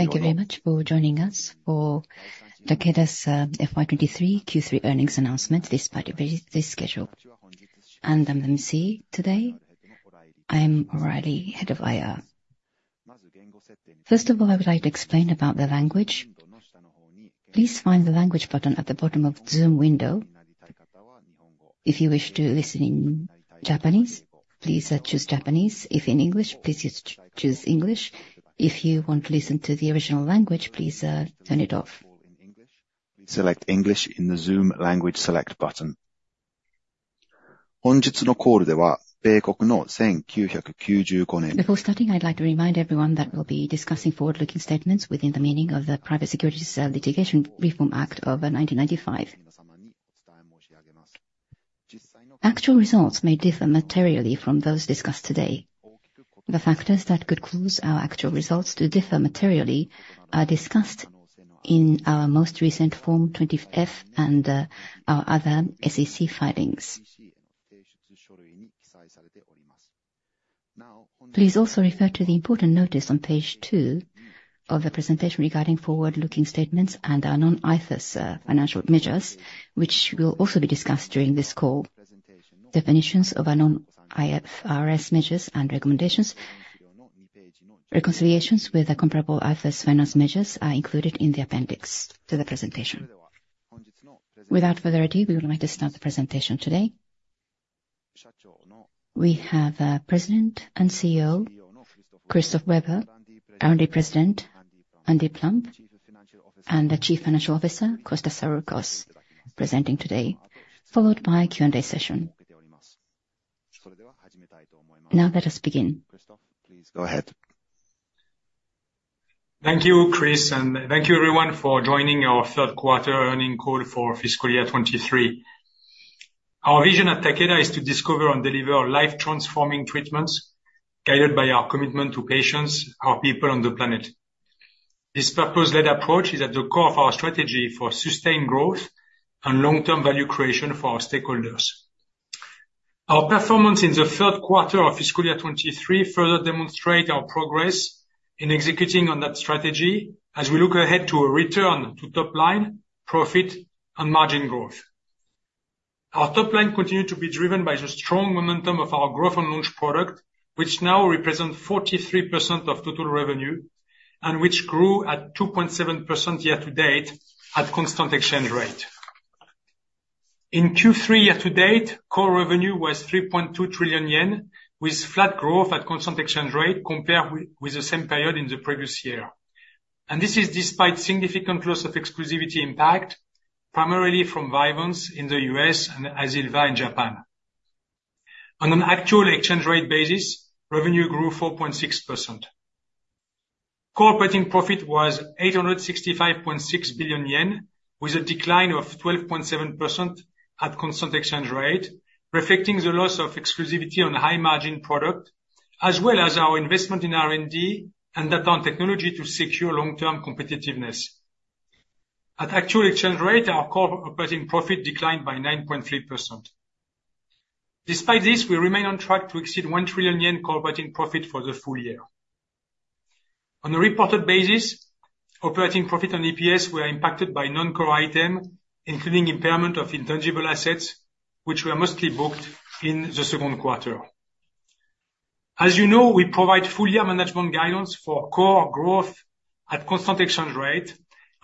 Thank you very much for joining us for Takeda's FY 2023 Q3 earnings announcement, despite the busy schedule. I'm MC today. I'm O'Reilly, head of IR. First of all, I would like to explain about the language. Please find the language button at the bottom of Zoom window. If you wish to listen in Japanese, please choose Japanese. If in English, please choose English. If you want to listen to the original language, please turn it off. Select English in the Zoom language select button. Honjitsu no call dewa, Beikoku no 1995 nen. Before starting, I'd like to remind everyone that we'll be discussing forward-looking statements within the meaning of the Private Securities Litigation Reform Act of 1995. Actual results may differ materially from those discussed today. The factors that could cause our actual results to differ materially are discussed in our most recent Form 20-F and our other SEC filings. Please also refer to the important notice on page two of the presentation regarding forward-looking statements and our non-IFRS financial measures, which will also be discussed during this call. Definitions of our non-IFRS measures and the reconciliations with the comparable IFRS financial measures are included in the appendix to the presentation. Without further ado, we would like to start the presentation today. We have our President and CEO, Christophe Weber, R&D President, Andy Plump, and the Chief Financial Officer, Costa Saroukos, presenting today, followed by a Q&A session. Now let us begin. Christophe, please go ahead. Thank you, Chris, and thank you everyone for joining our third quarter earnings call for fiscal year 2023. Our vision at Takeda is to discover and deliver life-transforming treatments, guided by our commitment to patients, our people, and the planet. This purpose-led approach is at the core of our strategy for sustained growth and long-term value creation for our stakeholders. Our performance in the third quarter of fiscal year 2023 further demonstrate our progress in executing on that strategy as we look ahead to a return to top line, profit, and margin growth. Our top line continued to be driven by the strong momentum of our Growth and Launch product, which now represents 43% of total revenue, and which grew at 2.7% year to date at constant exchange rate. In Q3 year to date, core revenue was 3.2 trillion yen, with flat growth at constant exchange rate compared with the same period in the previous year. This is despite significant loss of exclusivity impact, primarily from Vyvanse in the U.S. and Azilva in Japan. On an actual exchange rate basis, revenue grew 4.6%. Core operating profit was 865.6 billion yen, with a decline of 12.7% at constant exchange rate, reflecting the loss of exclusivity on high margin product, as well as our investment in R&D and advanced technology to secure long-term competitiveness. At actual exchange rate, our core operating profit declined by 9.3%. Despite this, we remain on track to exceed 1 trillion yen core operating profit for the full year. On a reported basis, operating profit on EPS were impacted by non-core items, including impairment of intangible assets, which were mostly booked in the second quarter. As you know, we provide full year management guidance for core growth at constant exchange rate,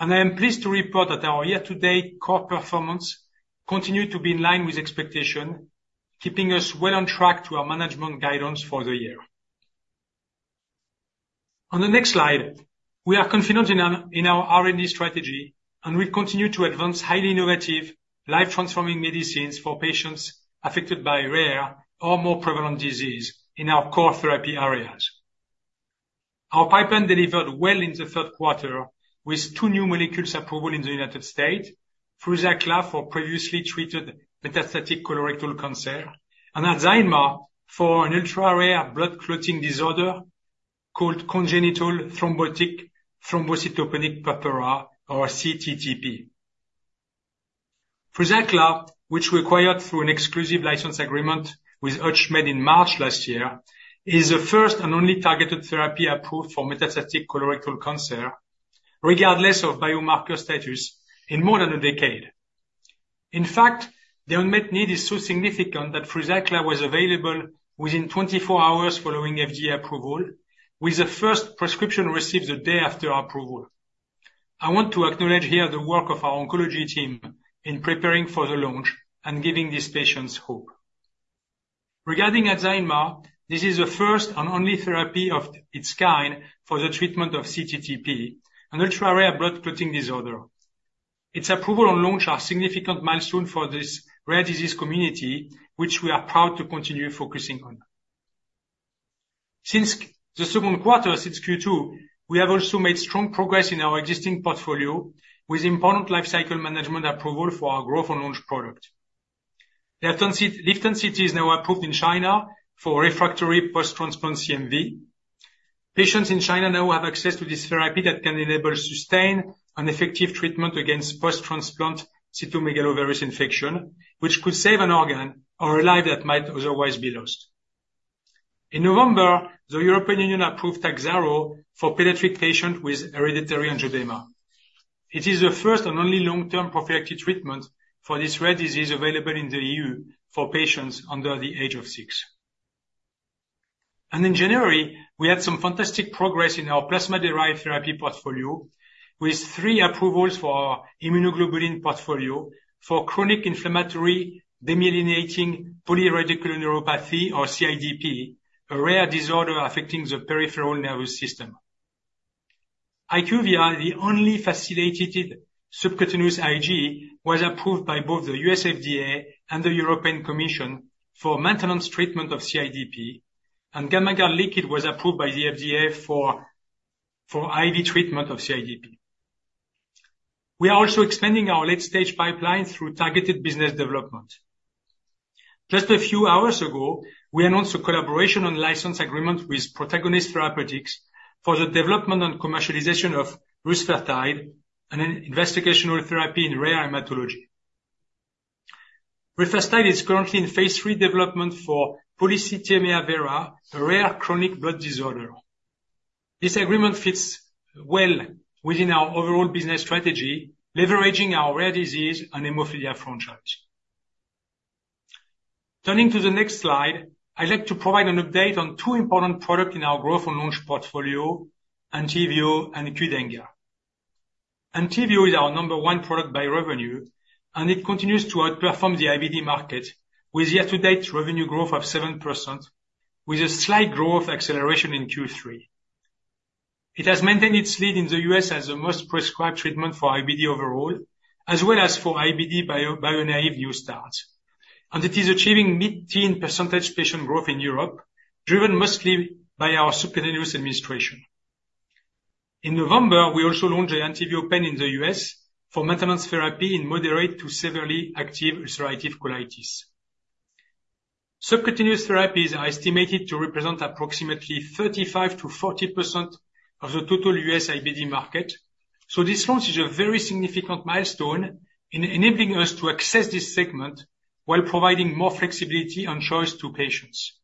and I am pleased to report that our year-to-date core performance continued to be in line with expectation, keeping us well on track to our management guidance for the year. On the next slide, we are confident in our R&D strategy, and we continue to advance highly innovative, life-transforming medicines for patients affected by rare or more prevalent disease in our core therapy areas. Our pipeline delivered well in the third quarter, with two new molecules approved in the United States, FRUZAQLA for previously treated metastatic colorectal cancer, and ADZYNMA for an ultra-rare blood clotting disorder called congenital thrombotic thrombocytopenic purpura, or cTTP. FRUZAQLA, which we acquired through an exclusive license agreement with HUTCHMED in March last year, is the first and only targeted therapy approved for metastatic colorectal cancer, regardless of biomarker status in more than a decade. In fact, the unmet need is so significant that FRUZAQLA was available within 24 hours following FDA approval, with the first prescription received the day after approval. I want to acknowledge here the work of our oncology team in preparing for the launch and giving these patients hope. Regarding ADZYNMA, this is the first and only therapy of its kind for the treatment of cTTP, an ultra-rare blood clotting disorder. Its approval and launch are significant milestones for this rare disease community, which we are proud to continue focusing on. Since the second quarter, since Q2, we have also made strong progress in our existing portfolio with important lifecycle management approval for our growth and launch product. LIVTENCITY is now approved in China for refractory post-transplant CMV. Patients in China now have access to this therapy that can enable sustained and effective treatment against post-transplant cytomegalovirus infection, which could save an organ or a life that might otherwise be lost.... In November, the European Union approved TAKHZYRO for pediatric patients with hereditary angioedema. It is the first and only long-term prophylactic treatment for this rare disease available in the EU for patients under the age of six. And in January, we had some fantastic progress in our plasma-derived therapy portfolio, with three approvals for our immunoglobulin portfolio for chronic inflammatory demyelinating polyradiculoneuropathy, or CIDP, a rare disorder affecting the peripheral nervous system. HYQVIA, the only facilitated subcutaneous IG, was approved by both the U.S. FDA and the European Commission for maintenance treatment of CIDP, and Gammagard Liquid was approved by the FDA for IV treatment of CIDP. We are also expanding our late-stage pipeline through targeted business development. Just a few hours ago, we announced a collaboration and license agreement with Protagonist Therapeutics for the development and commercialization of rusfertide, an investigational therapy in rare hematology. Rusfertide is currently in phase III development for polycythemia vera, a rare chronic blood disorder. This agreement fits well within our overall business strategy, leveraging our rare disease and hemophilia franchise. Turning to the next slide, I'd like to provide an update on two important products in our growth and launch portfolio, ENTYVIO and QDENGA. ENTYVIO is our number one product by revenue, and it continues to outperform the IBD market, with year-to-date revenue growth of 7%, with a slight growth acceleration in Q3. It has maintained its lead in the U.S. as the most prescribed treatment for IBD overall, as well as for IBD bio, bio-naive new starts. It is achieving mid-teen percentage patient growth in Europe, driven mostly by our subcutaneous administration. In November, we also launched the ENTYVIO Pen in the U.S. for maintenance therapy in moderate to severely active ulcerative colitis. Subcutaneous therapies are estimated to represent approximately 35%-40% of the total U.S. IBD market, so this launch is a very significant milestone in enabling us to access this segment while providing more flexibility and choice to patients.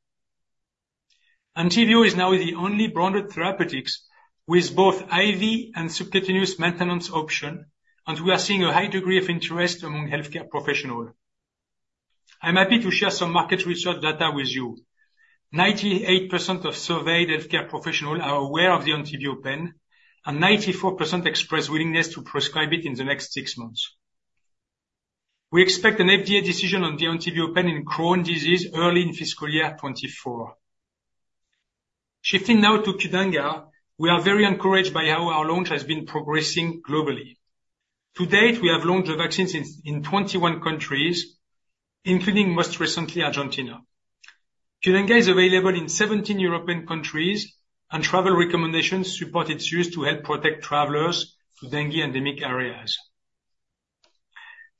ENTYVIO is now the only branded therapeutics with both IV and subcutaneous maintenance option, and we are seeing a high degree of interest among healthcare professional. I'm happy to share some market research data with you. 98% of surveyed healthcare professionals are aware of the ENTYVIO Pen, and 94% expressed willingness to prescribe it in the next six months. We expect an FDA decision on the ENTYVIO Pen in Crohn's disease early in fiscal year 2024. Shifting now to QDENGA, we are very encouraged by how our launch has been progressing globally. To date, we have launched the vaccine in 21 countries, including most recently, Argentina. QDENGA is available in 17 European countries, and travel recommendations support its use to help protect travelers to dengue endemic areas.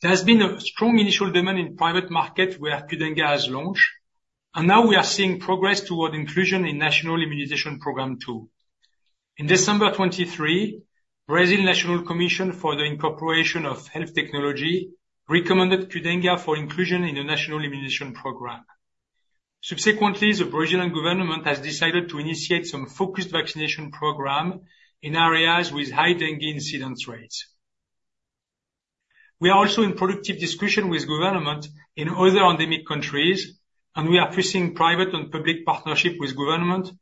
There has been a strong initial demand in private markets where QDENGA has launched, and now we are seeing progress toward inclusion in national immunization program, too. In December 2023, Brazil National Commission for the Incorporation of Health Technology recommended QDENGA for inclusion in the national immunization program. Subsequently, the Brazilian government has decided to initiate some focused vaccination program in areas with high dengue incidence rates. We are also in productive discussion with government in other endemic countries, and we are pursuing private and public partnership with government,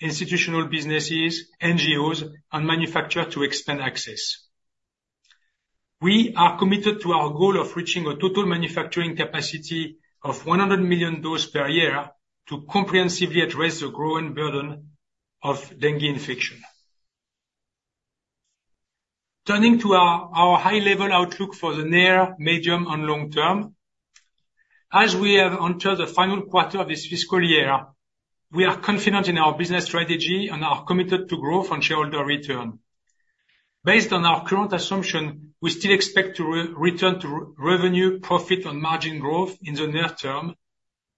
institutional businesses, NGOs, and manufacturer to expand access. We are committed to our goal of reaching a total manufacturing capacity of 100 million doses per year to comprehensively address the growing burden of dengue infection. Turning to our high-level outlook for the near, medium, and long term. As we have entered the final quarter of this fiscal year, we are confident in our business strategy and are committed to growth and shareholder return. Based on our current assumption, we still expect to return to revenue, profit, and margin growth in the near term,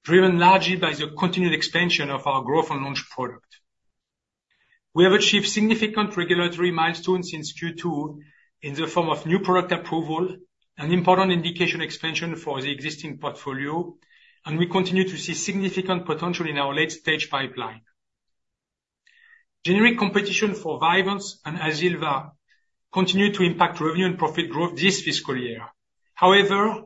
driven largely by the continued expansion of our growth and launch product. We have achieved significant regulatory milestones since Q2, in the form of new product approval and important indication expansion for the existing portfolio, and we continue to see significant potential in our late-stage pipeline. Generic competition for Vyvanse and Azilva continue to impact revenue and profit growth this fiscal year. However,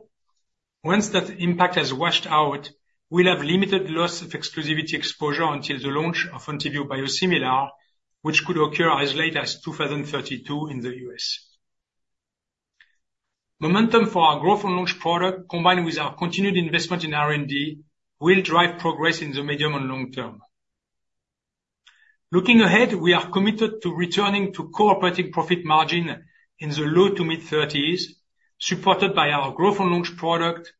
once that impact has washed out, we'll have limited loss of exclusivity exposure until the launch of ENTYVIO biosimilar, which could occur as late as 2032 in the U.S. Momentum for our growth and launch products, combined with our continued investment in R&D, will drive progress in the medium and long term. Looking ahead, we are committed to returning to core operating profit margin in the low- to mid-30s%, supported by our Growth and Launch products,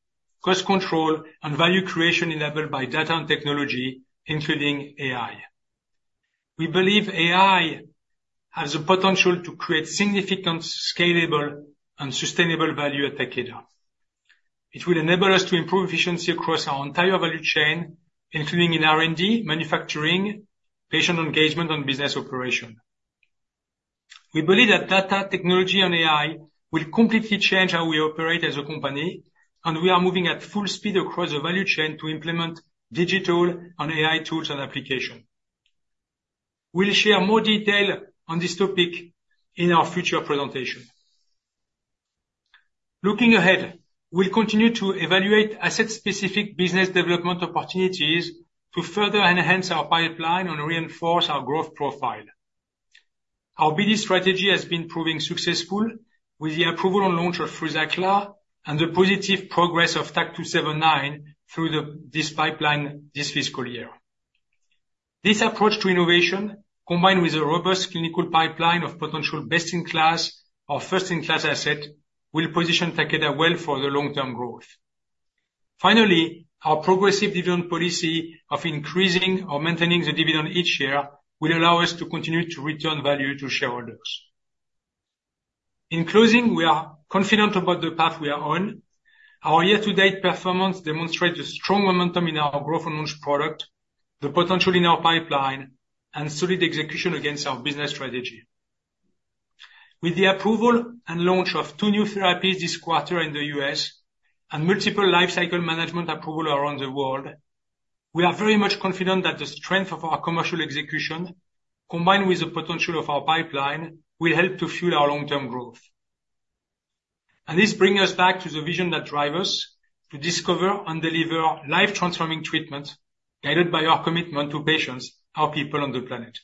cost control, and value creation enabled by data and technology, including AI. We believe AI has the potential to create significant, scalable, and sustainable value at Takeda. It will enable us to improve efficiency across our entire value chain, including in R&D, manufacturing, patient engagement, and business operations.... We believe that data and technology and AI will completely change how we operate as a company, and we are moving at full speed across the value chain to implement digital and AI tools and applications. We'll share more detail on this topic in our future presentation. Looking ahead, we'll continue to evaluate asset-specific business development opportunities to further enhance our pipeline and reinforce our growth profile. Our BD strategy has been proving successful, with the approval and launch of FRUZAQLA and the positive progress of TAK-279 through this pipeline this fiscal year. This approach to innovation, combined with a robust clinical pipeline of potential best-in-class or first-in-class asset, will position Takeda well for the long-term growth. Finally, our progressive dividend policy of increasing or maintaining the dividend each year will allow us to continue to return value to shareholders. In closing, we are confident about the path we are on. Our year-to-date performance demonstrates the strong momentum in our growth and launch product, the potential in our pipeline, and solid execution against our business strategy. With the approval and launch of two new therapies this quarter in the U.S., and multiple life cycle management approval around the world, we are very much confident that the strength of our commercial execution, combined with the potential of our pipeline, will help to fuel our long-term growth. And this brings us back to the vision that drives us: to discover and deliver life-transforming treatment, guided by our commitment to patients, our people on the planet.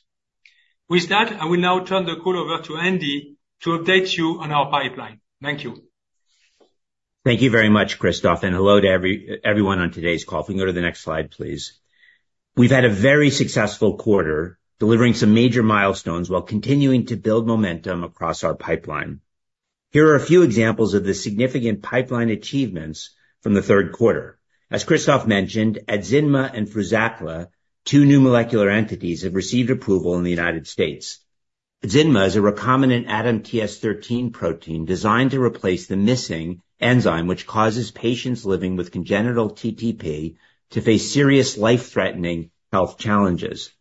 With that, I will now turn the call over to Andy to update you on our pipeline. Thank you. Thank you very much, Christophe, and hello to everyone on today's call. If we can go to the next slide, please. We've had a very successful quarter, delivering some major milestones while continuing to build momentum across our pipeline. Here are a few examples of the significant pipeline achievements from the third quarter. As Christophe mentioned, ADZYNMA and FRUZAQLA, two new molecular entities, have received approval in the United States. ADZYNMA is a recombinant ADAMTS13 protein designed to replace the missing enzyme, which causes patients living with congenital TTP to face serious, life-threatening health challenges.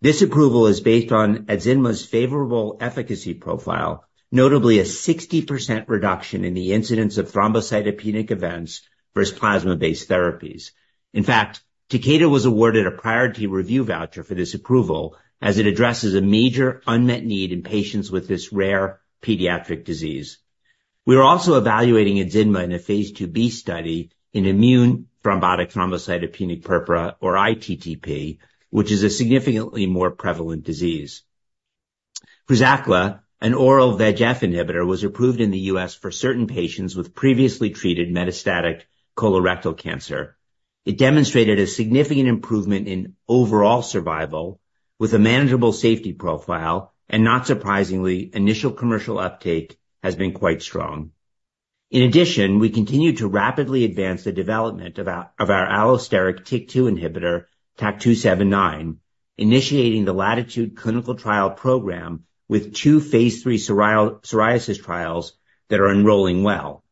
This approval is based on ADZYNMA's favorable efficacy profile, notably a 60% reduction in the incidence of thrombocytopenic events versus plasma-based therapies. In fact, Takeda was awarded a priority review voucher for this approval as it addresses a major unmet need in patients with this rare pediatric disease. We are also evaluating ADZYNMA in a phase II-B study in immune thrombotic thrombocytopenic purpura, or iTTP, which is a significantly more prevalent disease. FRUZAQLA, an oral VEGF inhibitor, was approved in the U.S. for certain patients with previously treated metastatic colorectal cancer. It demonstrated a significant improvement in overall survival with a manageable safety profile, and not surprisingly, initial commercial uptake has been quite strong. In addition, we continue to rapidly advance the development of our allosteric TYK2 inhibitor, TAK-279, initiating the Latitude clinical trial program with two phase III psoriasis trials that are enrolling well.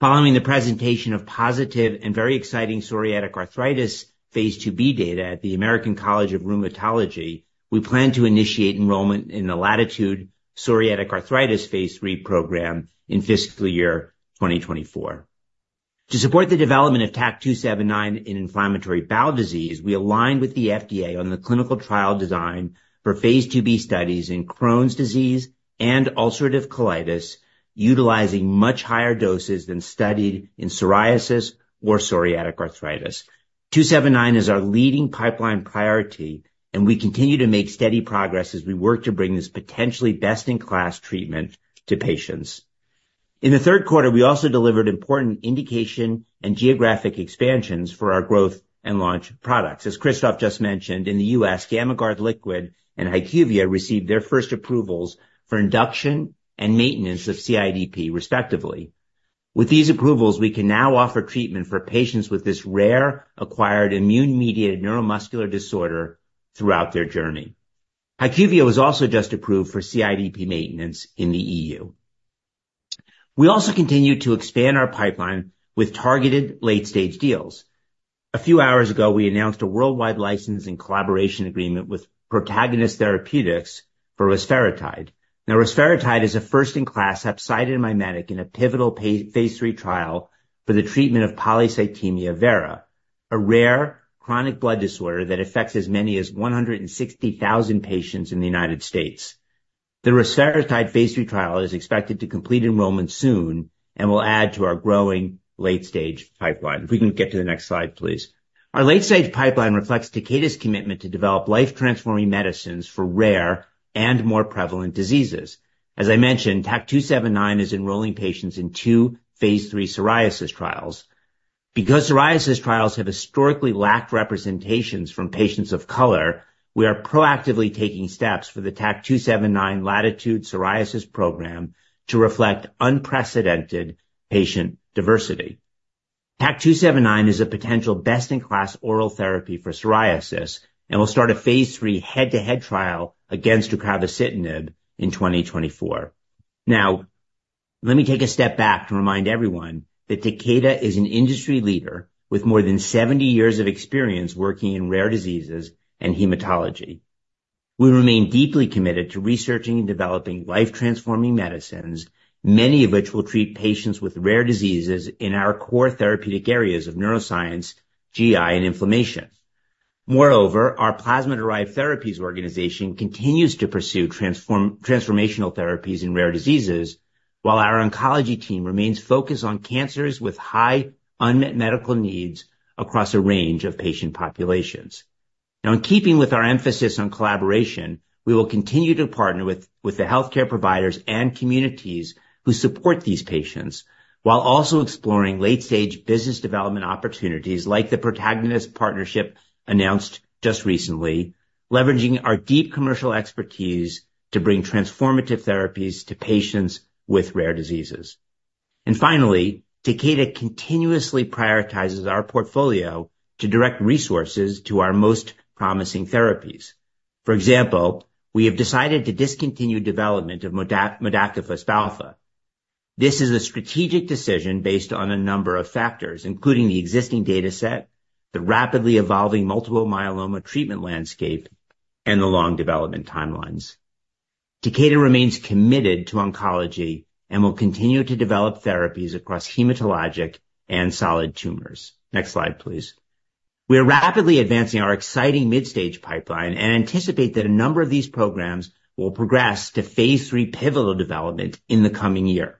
Following the presentation of positive and very exciting psoriatic arthritis phase II-B data at the American College of Rheumatology, we plan to initiate enrollment in the Latitude psoriatic arthritis phase III program in fiscal year 2024. To support the development of TAK-279 in inflammatory bowel disease, we aligned with the FDA on the clinical trial design for phase II-B studies in Crohn's disease and ulcerative colitis, utilizing much higher doses than studied in psoriasis or psoriatic arthritis. 279 is our leading pipeline priority, and we continue to make steady progress as we work to bring this potentially best-in-class treatment to patients. In the third quarter, we also delivered important indication and geographic expansions for our growth and launch products. As Christophe just mentioned, in the U.S., Gammagard Liquid and HYQVIA received their first approvals for induction and maintenance of CIDP, respectively. With these approvals, we can now offer treatment for patients with this rare, acquired, immune-mediated neuromuscular disorder throughout their journey. HYQVIA was also just approved for CIDP maintenance in the E.U. We also continue to expand our pipeline with targeted late-stage deals. A few hours ago, we announced a worldwide licensing collaboration agreement with Protagonist Therapeutics for rusfertide. Now, rusfertide is a first-in-class hepcidin mimetic in a pivotal phase III trial for the treatment of polycythemia vera, a rare chronic blood disorder that affects as many as 160,000 patients in the United States. The rusfertide phase III trial is expected to complete enrollment soon and will add to our growing late-stage pipeline. If we can get to the next slide, please. Our late-stage pipeline reflects Takeda's commitment to develop life-transforming medicines for rare and more prevalent diseases. As I mentioned, TAK-279 is enrolling patients in two phase III psoriasis trials. Because psoriasis trials have historically lacked representations from patients of color, we are proactively taking steps for the TAK-279 Latitude psoriasis program to reflect unprecedented patient diversity. TAK-279 is a potential best-in-class oral therapy for psoriasis and will start a phase III head-to-head trial against upadacitinib in 2024. Let me take a step back to remind everyone that Takeda is an industry leader with more than 70 years of experience working in rare diseases and hematology. We remain deeply committed to researching and developing life-transforming medicines, many of which will treat patients with rare diseases in our core therapeutic areas of neuroscience, GI, and inflammation. Moreover, our plasma-derived therapies organization continues to pursue transformational therapies in rare diseases, while our oncology team remains focused on cancers with high unmet medical needs across a range of patient populations. Now, in keeping with our emphasis on collaboration, we will continue to partner with the healthcare providers and communities who support these patients, while also exploring late-stage business development opportunities like the Protagonist partnership announced just recently, leveraging our deep commercial expertise to bring transformative therapies to patients with rare diseases. And finally, Takeda continuously prioritizes our portfolio to direct resources to our most promising therapies. For example, we have decided to discontinue development of modakafusp alfa. This is a strategic decision based on a number of factors, including the existing dataset, the rapidly evolving multiple myeloma treatment landscape, and the long development timelines. Takeda remains committed to oncology and will continue to develop therapies across hematologic and solid tumors. Next slide, please. We are rapidly advancing our exciting midstage pipeline and anticipate that a number of these programs will progress to phase III pivotal development in the coming year.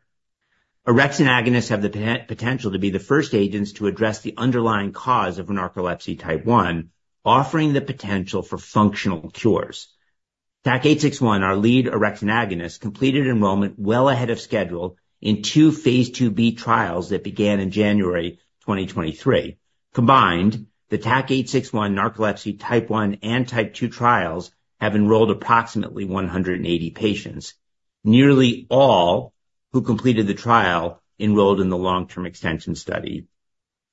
Orexin agonists have the potential to be the first agents to address the underlying cause of narcolepsy Type 1, offering the potential for functional cures. TAK-861, our lead orexin agonist, completed enrollment well ahead of schedule in two phase II-B trials that began in January 2023. Combined, the TAK-861 narcolepsy Type 1 and Type 2 trials have enrolled approximately 180 patients. Nearly all who completed the trial enrolled in the long-term extension study.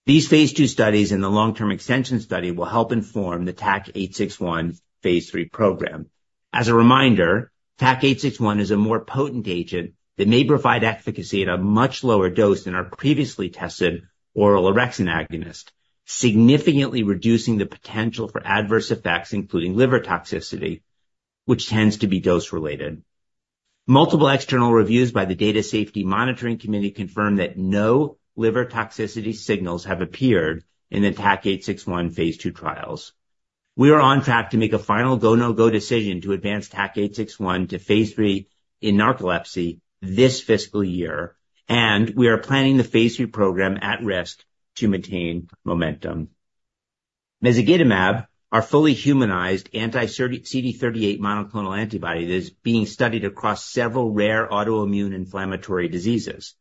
These phase II studies and the long-term extension study will help inform the TAK-861 phase III program. As a reminder, TAK-861 is a more potent agent that may provide efficacy at a much lower dose than our previously tested oral orexin agonist, significantly reducing the potential for adverse effects, including liver toxicity, which tends to be dose-related. Multiple external reviews by the Data Safety Monitoring Committee confirmed that no liver toxicity signals have appeared in the TAK-861 phase II trials. We are on track to make a final go, no-go decision to advance TAK-861 to phase III in narcolepsy this fiscal year, and we are planning the phase III program at-risk to maintain momentum. Mezigdomab, our fully humanized anti-CD38 monoclonal antibody, that is being studied across several rare autoimmune inflammatory diseases.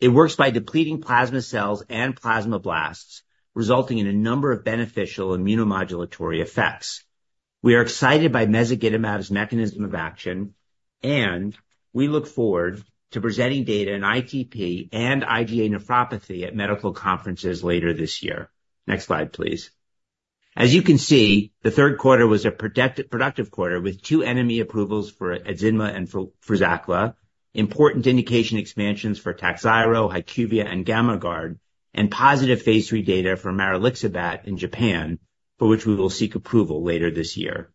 It works by depleting plasma cells and plasmablasts, resulting in a number of beneficial immunomodulatory effects. We are excited by mezigdomab's mechanism of action, and we look forward to presenting data in ITP and IgA nephropathy at medical conferences later this year. Next slide, please. As you can see, the third quarter was a product-productive quarter with two NME approvals for ADZYNMA and for FRUZAQLA, important indication expansions for TAKHZYRO, HYQVIA, and Gammagard, and positive phase III data for marilixabat in Japan, for which we will seek approval later this year.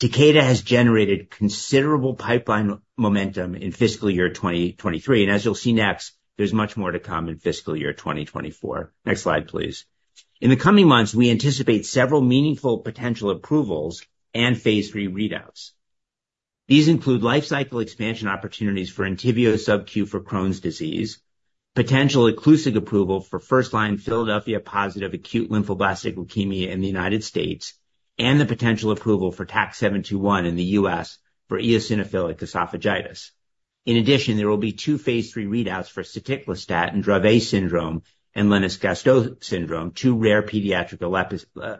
Takeda has generated considerable pipeline momentum in fiscal year 2023, and as you'll see next, there's much more to come in fiscal year 2024. Next slide, please. In the coming months, we anticipate several meaningful potential approvals and phase III readouts. These include lifecycle expansion opportunities for ENTYVIO subcutaneous for Crohn's disease, potential inclusive approval for first-line Philadelphia-positive acute lymphoblastic leukemia in the United States, and the potential approval for TAK-721 in the U.S. for eosinophilic esophagitis. In addition, there will be two phase III readouts for soticlestat in Dravet syndrome and Lennox-Gastaut syndrome, two rare pediatric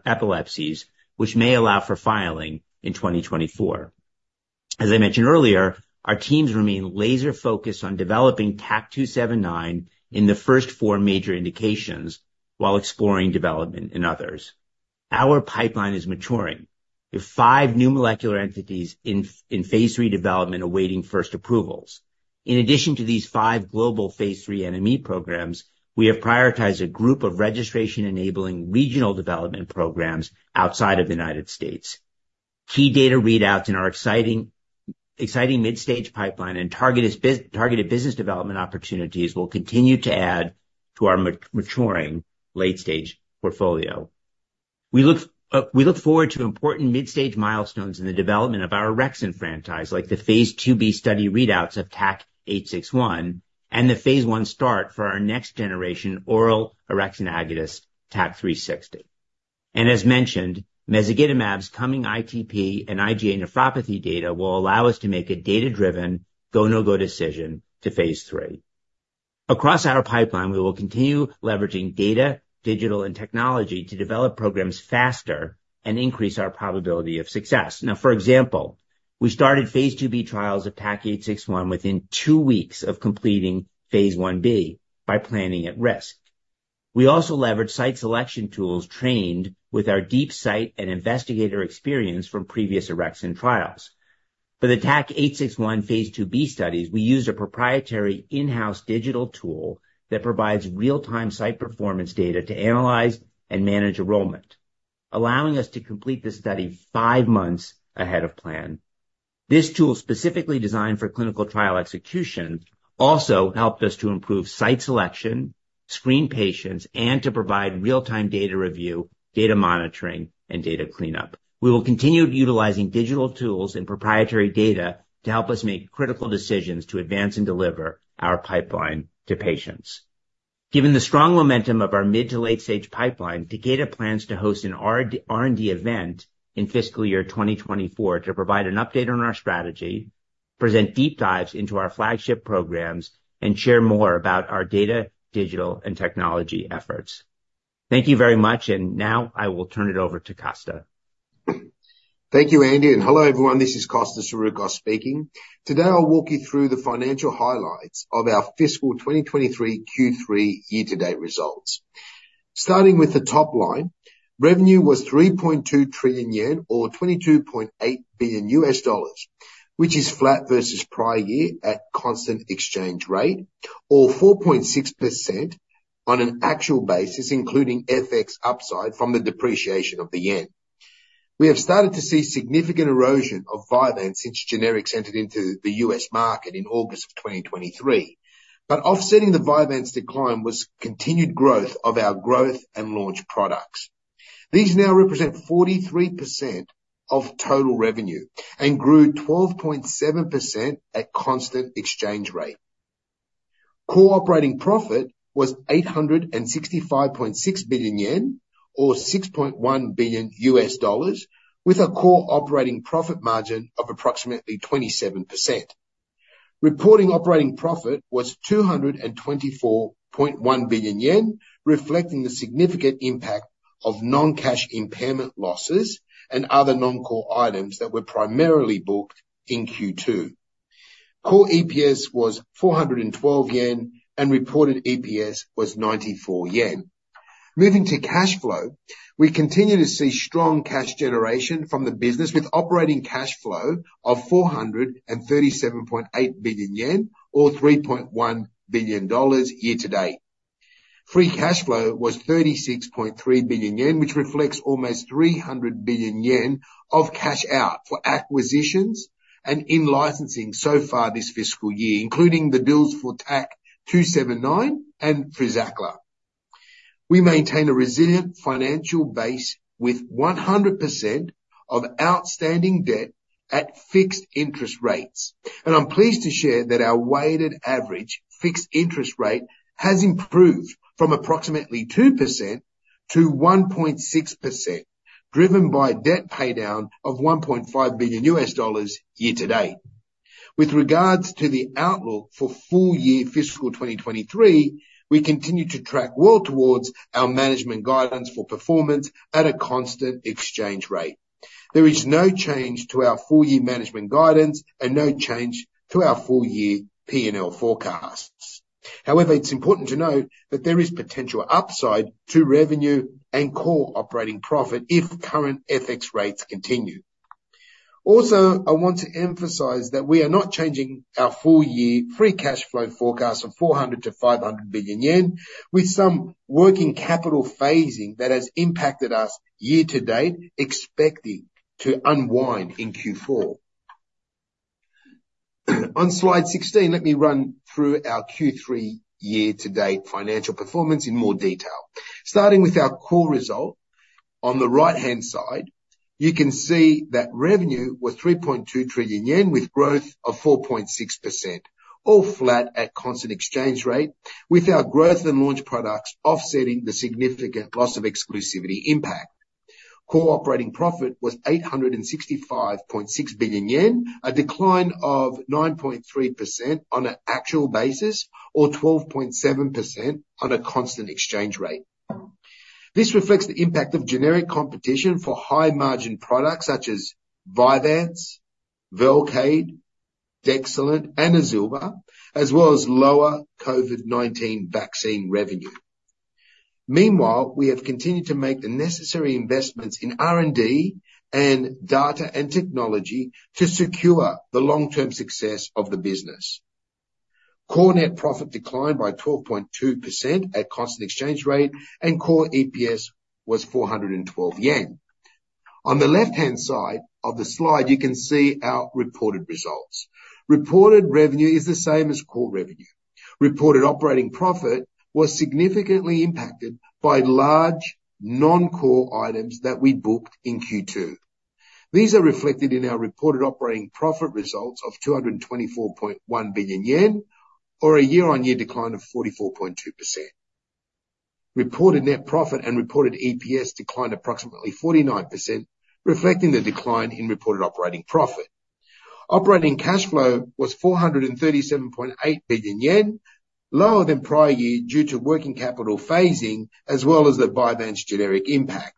epilepsies, which may allow for filing in 2024. As I mentioned earlier, our teams remain laser-focused on developing TAK-279 in the first four major indications while exploring development in others. Our pipeline is maturing, with five new molecular entities in phase III development awaiting first approvals. In addition to these five global phase III NME programs, we have prioritized a group of registration-enabling regional development programs outside of the United States. Key data readouts in our exciting, exciting midstage pipeline and targeted business development opportunities will continue to add to our maturing late-stage portfolio. We look, we look forward to important midstage milestones in the development of our orexin franchise, like the phase II-B study readouts of TAK-861 and the phase I start for our next-generation oral orexin agonist, TAK-360. And as mentioned, mezigdomab's coming ITP and IgA nephropathy data will allow us to make a data-driven, go, no-go decision to phase III. Across our pipeline, we will continue leveraging data, digital, and technology to develop programs faster and increase our probability of success. Now, for example, we started phase II-B trials of TAK-861 within two weeks of completing phase I-B by planning at risk. We also leveraged site selection tools trained with our deep site and investigator experience from previous orexin trials. For the TAK-861 phase II-B studies, we used a proprietary in-house digital tool that provides real-time site performance data to analyze and manage enrollment, allowing us to complete this study five months ahead of plan. This tool, specifically designed for clinical trial execution, also helped us to improve site selection, screen patients, and to provide real-time data review, data monitoring, and data cleanup. We will continue utilizing digital tools and proprietary data to help us make critical decisions to advance and deliver our pipeline to patients. Given the strong momentum of our mid to late-stage pipeline, Takeda plans to host an R&D event in fiscal year 2024 to provide an update on our strategy, present deep dives into our flagship programs, and share more about our data, digital, and technology efforts. Thank you very much, and now I will turn it over to Costa. Thank you, Andy, and hello, everyone. This is Costa Saroukos speaking. Today, I'll walk you through the financial highlights of our fiscal 2023 Q3 year-to-date results. Starting with the top line, revenue was 3.2 trillion yen, or $22.8 billion, which is flat versus prior year at constant exchange rate, or 4.6% on an actual basis, including FX upside from the depreciation of the yen. We have started to see significant erosion of Vyvanse since generics entered into the U.S. market in August 2023. But offsetting the Vyvanse decline was continued growth of our growth and launch products. These now represent 43% of total revenue and grew 12.7% at constant exchange rate. Core operating profit was 865.6 billion yen, or $6.1 billion, with a core operating profit margin of approximately 27%. Reporting operating profit was 224.1 billion yen, reflecting the significant impact of non-cash impairment losses and other non-core items that were primarily booked in Q2. Core EPS was 412 yen, and reported EPS was 94 yen. Moving to cash flow, we continue to see strong cash generation from the business, with operating cash flow of 437.8 billion yen, or $3.1 billion year to date. Free cash flow was 36.3 billion yen, which reflects almost 300 billion yen of cash out for acquisitions and in-licensing so far this fiscal year, including the bills for TAK-279 and FRUZAQLA. We maintain a resilient financial base with 100% of outstanding debt at fixed interest rates, and I'm pleased to share that our weighted average fixed interest rate has improved from approximately 2% to 1.6%, driven by debt paydown of $1.5 billion year to date. With regards to the outlook for full-year fiscal 2023, we continue to track well towards our management guidance for performance at a constant exchange rate. There is no change to our full-year management guidance and no change to our full-year P&L forecasts. However, it's important to note that there is potential upside to revenue and core operating profit if current FX rates continue. Also, I want to emphasize that we are not changing our full-year free cash flow forecast of 400 billion-500 billion yen, with some working capital phasing that has impacted us year-to-date, expected to unwind in Q4. On slide 16, let me run through our Q3 year-to-date financial performance in more detail. Starting with our core result, on the right-hand side, you can see that revenue was 3.2 trillion yen, with growth of 4.6%, all flat at constant exchange rate, with our growth and launch products offsetting the significant loss of exclusivity impact. Core operating profit was 865.6 billion yen, a decline of 9.3% on an actual basis, or 12.7% on a constant exchange rate. This reflects the impact of generic competition for high-margin products such as Vyvanse, Velcade, Dexilant, and Azilva, as well as lower COVID-19 vaccine revenue. Meanwhile, we have continued to make the necessary investments in R&D and data and technology to secure the long-term success of the business. Core net profit declined by 12.2% at constant exchange rate, and core EPS was 412 yen. On the left-hand side of the slide, you can see our reported results. Reported revenue is the same as core revenue. Reported operating profit was significantly impacted by large non-core items that we booked in Q2. These are reflected in our reported operating profit results of 224.1 billion yen, or a year-on-year decline of 44.2%. Reported net profit and reported EPS declined approximately 49%, reflecting the decline in reported operating profit. Operating cash flow was 437.8 billion yen, lower than prior year due to working capital phasing as well as the Vyvanse generic impact.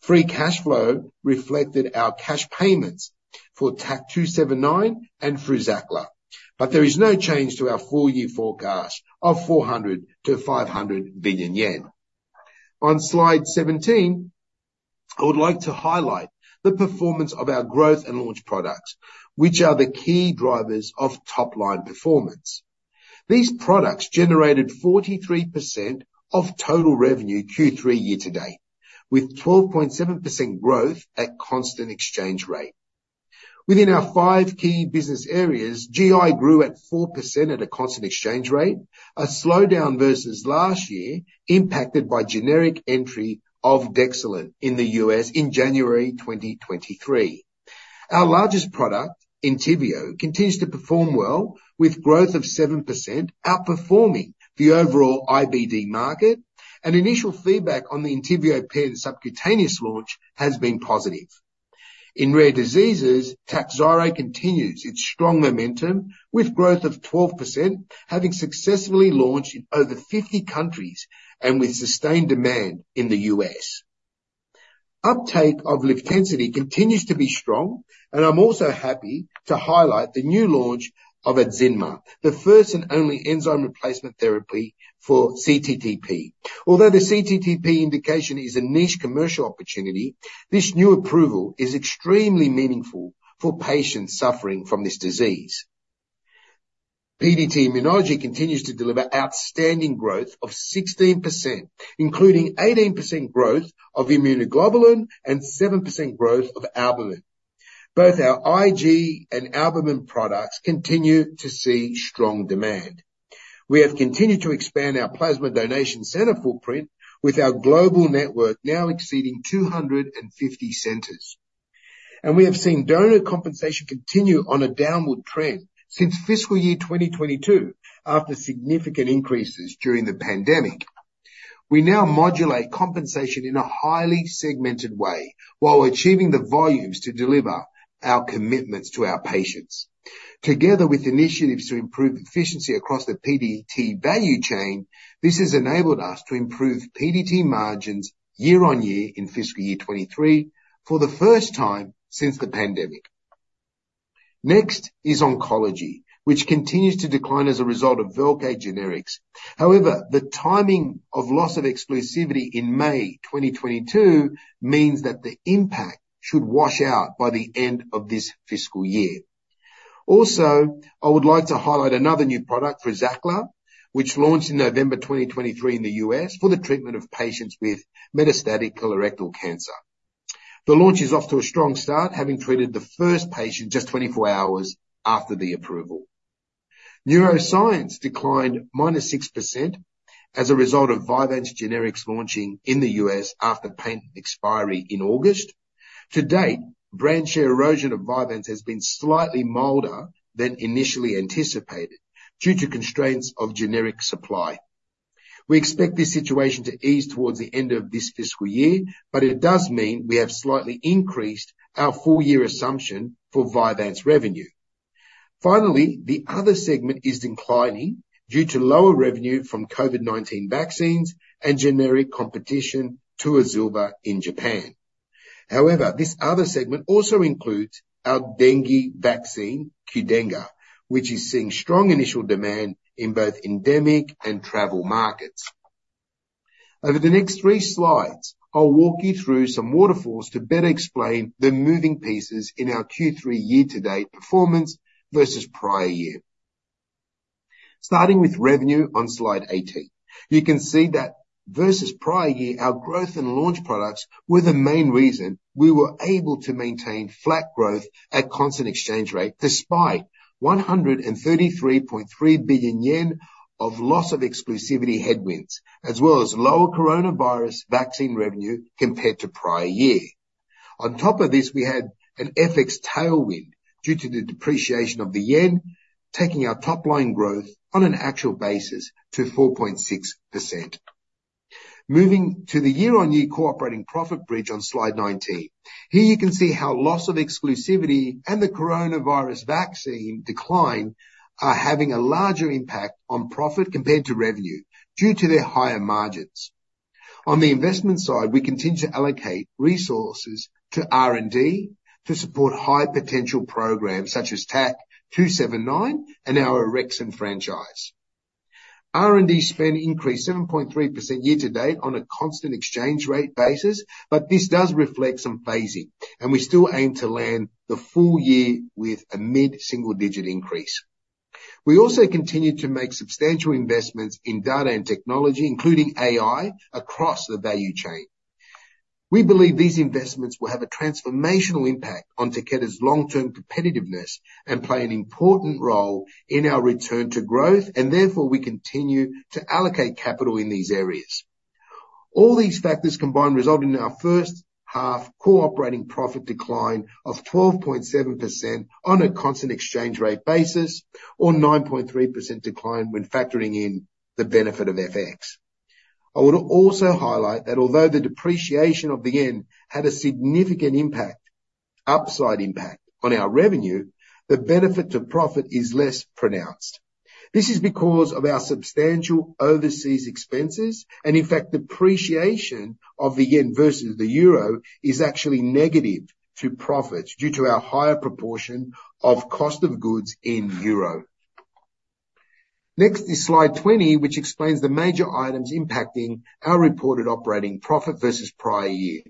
Free cash flow reflected our cash payments for TAK-279 and FRUZAQLA, but there is no change to our full year forecast of 400 billion-500 billion yen. On Slide 17, I would like to highlight the performance of our growth and launch products, which are the key drivers of top line performance. These products generated 43% of total revenue Q3 year-to-date, with 12.7% growth at constant exchange rate. Within our five key business areas, GI grew at 4% at a constant exchange rate, a slowdown versus last year, impacted by generic entry of Dexilant in the U.S. in January 2023. Our largest product, ENTYVIO, continues to perform well, with growth of 7%, outperforming the overall IBD market, and initial feedback on the ENTYVIO Pen-subcutaneous launch has been positive. In rare diseases, TAKHZYRO continues its strong momentum, with growth of 12%, having successfully launched in over 50 countries, and with sustained demand in the U.S. Uptake of LIVTENCITY continues to be strong, and I'm also happy to highlight the new launch of ADZYNMA, the first and only enzyme replacement therapy for cTTP. Although the cTTP indication is a niche commercial opportunity, this new approval is extremely meaningful for patients suffering from this disease. PDT Immunology continues to deliver outstanding growth of 16%, including 18% growth of immunoglobulin and 7% growth of albumin. Both our IG and albumin products continue to see strong demand. We have continued to expand our plasma donation center footprint with our global network now exceeding 250 centers. And we have seen donor compensation continue on a downward trend since fiscal year 2022, after significant increases during the pandemic. We now modulate compensation in a highly segmented way, while achieving the volumes to deliver our commitments to our patients. Together with initiatives to improve efficiency across the PDT value chain, this has enabled us to improve PDT margins year-on-year in fiscal year 2023, for the first time since the pandemic. Next is oncology, which continues to decline as a result of Velcade generics. However, the timing of loss of exclusivity in May 2022 means that the impact should wash out by the end of this fiscal year. Also, I would like to highlight another new product, FRUZAQLA, which launched in November 2023 in the U.S. for the treatment of patients with metastatic colorectal cancer. The launch is off to a strong start, having treated the first patient just 24 hours after the approval. Neuroscience declined -6% as a result of Vyvanse generics launching in the U.S. after patent expiry in August 2023. To date, brand share erosion of Vyvanse has been slightly milder than initially anticipated due to constraints of generic supply. We expect this situation to ease towards the end of this fiscal year, but it does mean we have slightly increased our full year assumption for Vyvanse revenue. Finally, the other segment is declining due to lower revenue from COVID-19 vaccines and generic competition to Azilva in Japan. However, this other segment also includes our dengue vaccine, QDENGA, which is seeing strong initial demand in both endemic and travel markets. Over the next three slides, I'll walk you through some waterfalls to better explain the moving pieces in our Q3 year-to-date performance versus prior year. Starting with revenue on Slide 18, you can see that versus prior year, our growth and launch products were the main reason we were able to maintain flat growth at constant exchange rate, despite 133.3 billion yen of loss of exclusivity headwinds, as well as lower coronavirus vaccine revenue compared to prior year. On top of this, we had an FX tailwind due to the depreciation of the yen, taking our top line growth on an actual basis to 4.6%. Moving to the year-on-year operating profit bridge on Slide 19. Here you can see how loss of exclusivity and the coronavirus vaccine decline are having a larger impact on profit compared to revenue due to their higher margins. On the investment side, we continue to allocate resources to R&D to support high potential programs such as TAK-279 and our Orexin franchise. R&D spend increased 7.3% year-to-date on a constant exchange rate basis, but this does reflect some phasing, and we still aim to land the full year with a mid-single digit increase. We also continue to make substantial investments in data and technology, including AI, across the value chain. We believe these investments will have a transformational impact on Takeda's long-term competitiveness and play an important role in our return to growth, and therefore we continue to allocate capital in these areas. All these factors combined resulted in our first half core operating profit decline of 12.7% on a constant exchange rate basis, or 9.3% decline when factoring in the benefit of FX. I would also highlight that although the depreciation of the yen had a significant upside impact on our revenue, the benefit to profit is less pronounced. This is because of our substantial overseas expenses, and in fact, depreciation of the yen versus the euro is actually negative to profits due to our higher proportion of cost of goods in euro. Next is slide 20, which explains the major items impacting our reported operating profit versus prior year.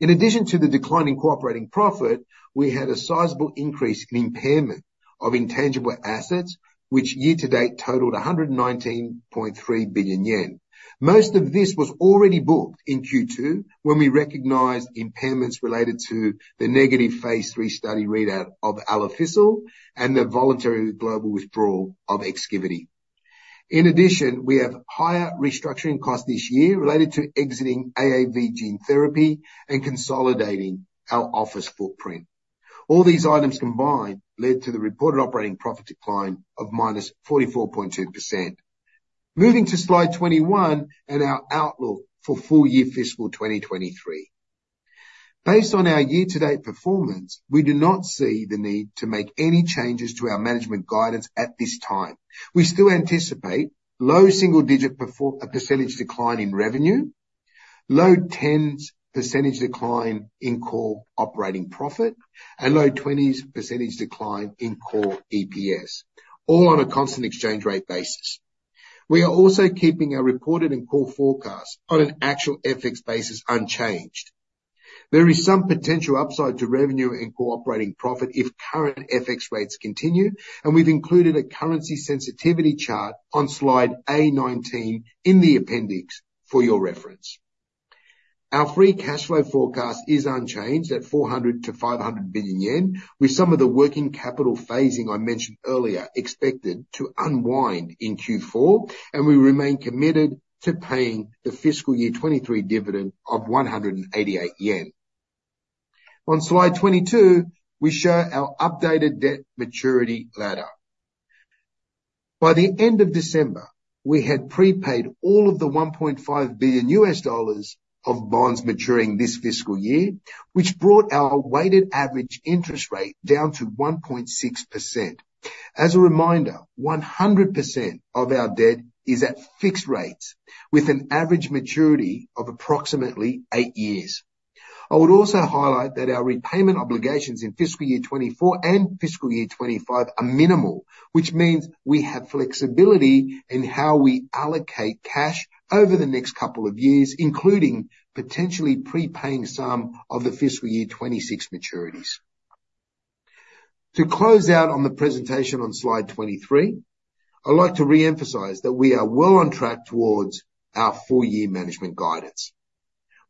In addition to the decline in core operating profit, we had a sizable increase in impairment of intangible assets, which year-to-date totaled 119.3 billion yen. Most of this was already booked in Q2, when we recognized impairments related to the negative phase III study readout of Alofisel, and the voluntary global withdrawal of Exkivity. In addition, we have higher restructuring costs this year related to exiting AAV gene therapy and consolidating our office footprint. All these items combined led to the reported operating profit decline of -44.2%. Moving to slide 21 and our outlook for full year fiscal 2023. Based on our year-to-date performance, we do not see the need to make any changes to our management guidance at this time. We still anticipate low single digit percentage decline in revenue, low tens percentage decline in core operating profit, and low twenties percentage decline in core EPS, all on a constant exchange rate basis. We are also keeping our reported and core forecast on an actual FX basis unchanged. There is some potential upside to revenue and operating profit if current FX rates continue, and we've included a currency sensitivity chart on slide A-19 in the appendix for your reference. Our free cash flow forecast is unchanged at 400 billion-500 billion yen, with some of the working capital phasing I mentioned earlier, expected to unwind in Q4, and we remain committed to paying the fiscal year 2023 dividend of 188 yen. On Slide 22, we show our updated debt maturity ladder. By the end of December, we had prepaid all of the $1.5 billion of bonds maturing this fiscal year, which brought our weighted average interest rate down to 1.6%. As a reminder, 100% of our debt is at fixed rates, with an average maturity of approximately eight years. I would also highlight that our repayment obligations in fiscal year 2024 and fiscal year 2025 are minimal, which means we have flexibility in how we allocate cash over the next couple of years, including potentially prepaying some of the fiscal year 2026 maturities. To close out on the presentation on Slide 23, I'd like to reemphasize that we are well on track towards our full year management guidance.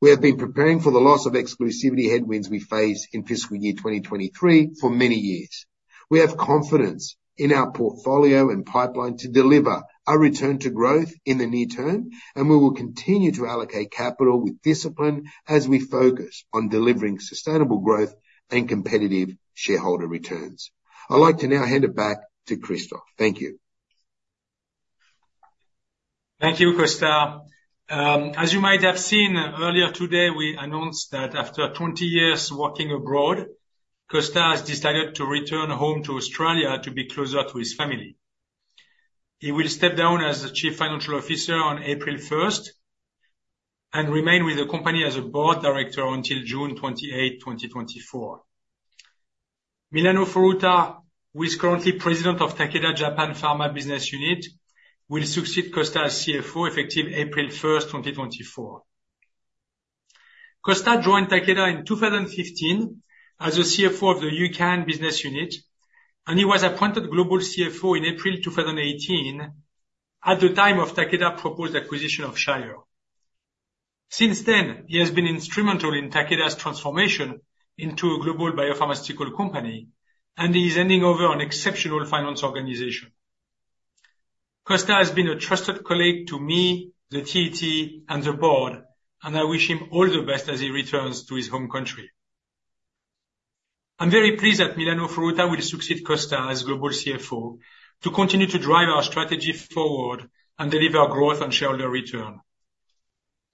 We have been preparing for the loss of exclusivity headwinds we face in fiscal year 2023 for many years. We have confidence in our portfolio and pipeline to deliver a return to growth in the near term, and we will continue to allocate capital with discipline as we focus on delivering sustainable growth and competitive shareholder returns. I'd like to now hand it back to Christophe. Thank you. Thank you, Costa. As you might have seen, earlier today, we announced that after 20 years working abroad, Costa has decided to return home to Australia to be closer to his family. He will step down as Chief Financial Officer on April 1, and remain with the company as a board director until June 28, 2024. Milano Furuta, who is currently President of Takeda's Japan Pharma Business Unit, will succeed Costa as CFO, effective April 1, 2024. Costa joined Takeda in 2015 as the CFO of the UK Business Unit, and he was appointed Global CFO in April 2018, at the time of Takeda's proposed acquisition of Shire. Since then, he has been instrumental in Takeda's transformation into a global biopharmaceutical company, and he is handing over an exceptional finance organization. Costa has been a trusted colleague to me, the TET, and the board, and I wish him all the best as he returns to his home country. I'm very pleased that Milano Furuta will succeed Costa as Global CFO, to continue to drive our strategy forward and deliver growth on shareholder return.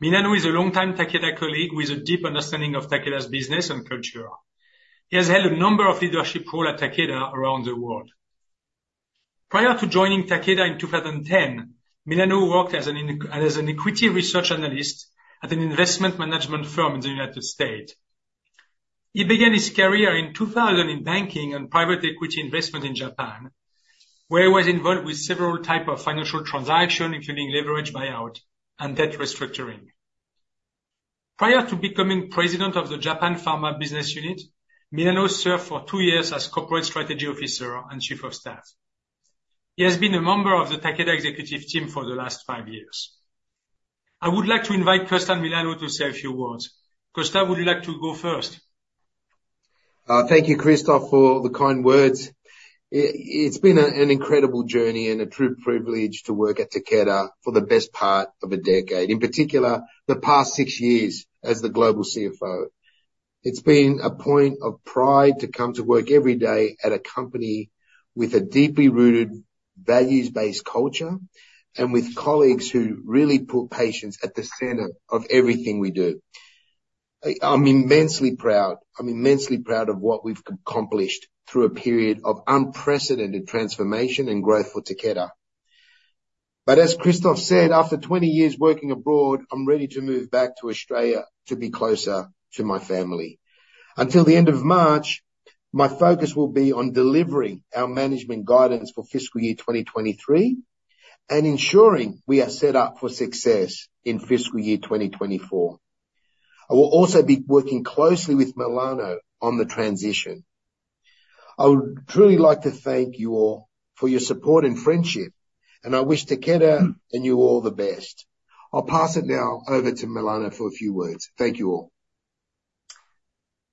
Milano is a longtime Takeda colleague with a deep understanding of Takeda's business and culture. He has held a number of leadership role at Takeda around the world. Prior to joining Takeda in 2010, Milano worked as an equity research analyst at an investment management firm in the United States. He began his career in 2000 in banking and private equity investment in Japan, where he was involved with several type of financial transactions, including leveraged buyout and debt restructuring. Prior to becoming President of the Japan Pharma Business Unit, Milano served for two years as Corporate Strategy Officer and Chief of Staff. He has been a member of the Takeda executive team for the last five years. I would like to invite Costa and Milano to say a few words. Costa, would you like to go first? Thank you, Christophe, for the kind words. It's been an incredible journey and a true privilege to work at Takeda for the best part of a decade, in particular, the past six years as the global CFO. It's been a point of pride to come to work every day at a company with a deeply rooted values-based culture, and with colleagues who really put patients at the center of everything we do. I'm immensely proud, I'm immensely proud of what we've accomplished through a period of unprecedented transformation and growth for Takeda. But as Christophe said, after 20 years working abroad, I'm ready to move back to Australia to be closer to my family. Until the end of March, my focus will be on delivering our management guidance for fiscal year 2023, and ensuring we are set up for success in fiscal year 2024. I will also be working closely with Milano on the transition. I would truly like to thank you all for your support and friendship, and I wish Takeda and you all the best. I'll pass it now over to Milano for a few words. Thank you, all.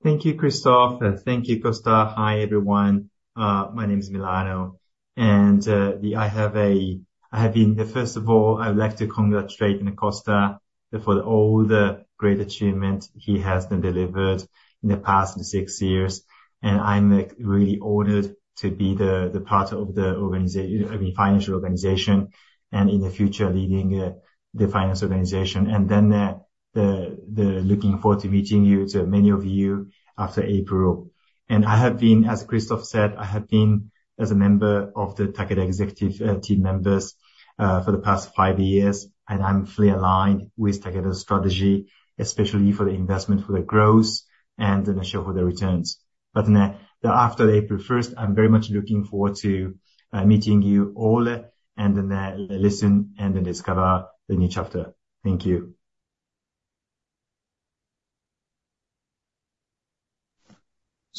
Thank you, Christophe, and thank you, Costa. Hi, everyone. My name is Milano, and First of all, I would like to congratulate Costa for all the great achievement he has been delivered in the past six years, and I'm, like, really honored to be the part of the organizat-I mean, financial organization, and in the future, leading the finance organization. And then, looking forward to meeting you, to many of you after April. And I have been, as Christophe said, I have been as a member of the Takeda executive team members for the past five years, and I'm fully aligned with Takeda's strategy, especially for the investment, for the growth, and then ensure for the returns. But after April 1st, I'm very much looking forward to meeting you all and listen and discover the new chapter. Thank you.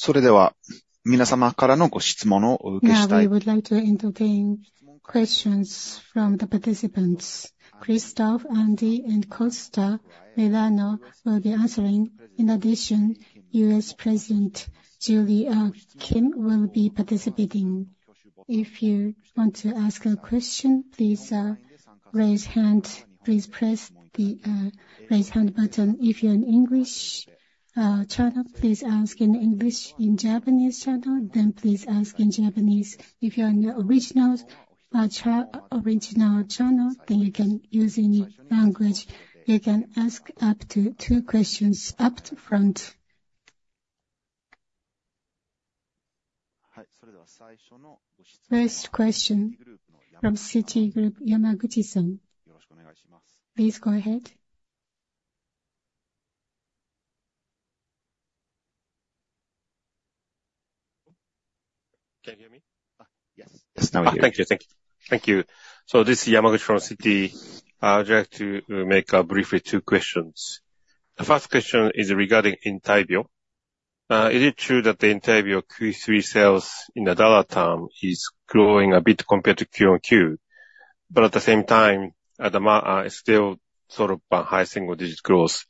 Now, we would like to entertain questions from the participants. Christophe, Andy, and Costa, Milano will be answering. In addition, U.S. President Julie Kim will be participating. If you want to ask a question, please raise hand. Please press the raise hand button. If you're in English channel, please ask in English. In Japanese channel, then please ask in Japanese. If you're in the original channel, then you can use any language. You can ask up to two questions up front. First question from Citigroup, Yamaguchi-san. Please go ahead. Can you hear me? Yes. Yes, now we hear you. Thank you. Thank you. Thank you. So this is Yamaguchi from Citi. I would like to make briefly two questions. The first question is regarding ENTYVIO. Is it true that the ENTYVIO Q3 sales in the dollar term is growing a bit compared to QoQ, but at the same time, at the ma-, it's still sort of a high single digit growth.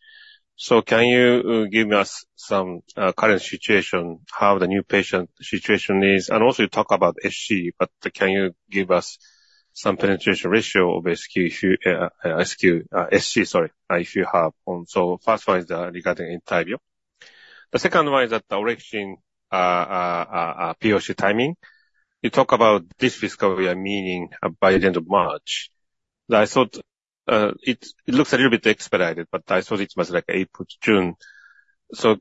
So can you give us some current situation, how the new patient situation is? And also you talk about SC, but can you give us some penetration ratio of SQ, SQ- SC, sorry, if you have one. So first one is regarding ENTYVIO. The second one is that the Orexin POC timing. You talk about this fiscal year, meaning by the end of March. I thought it looks a little bit expedited, but I thought it was like April to June. So,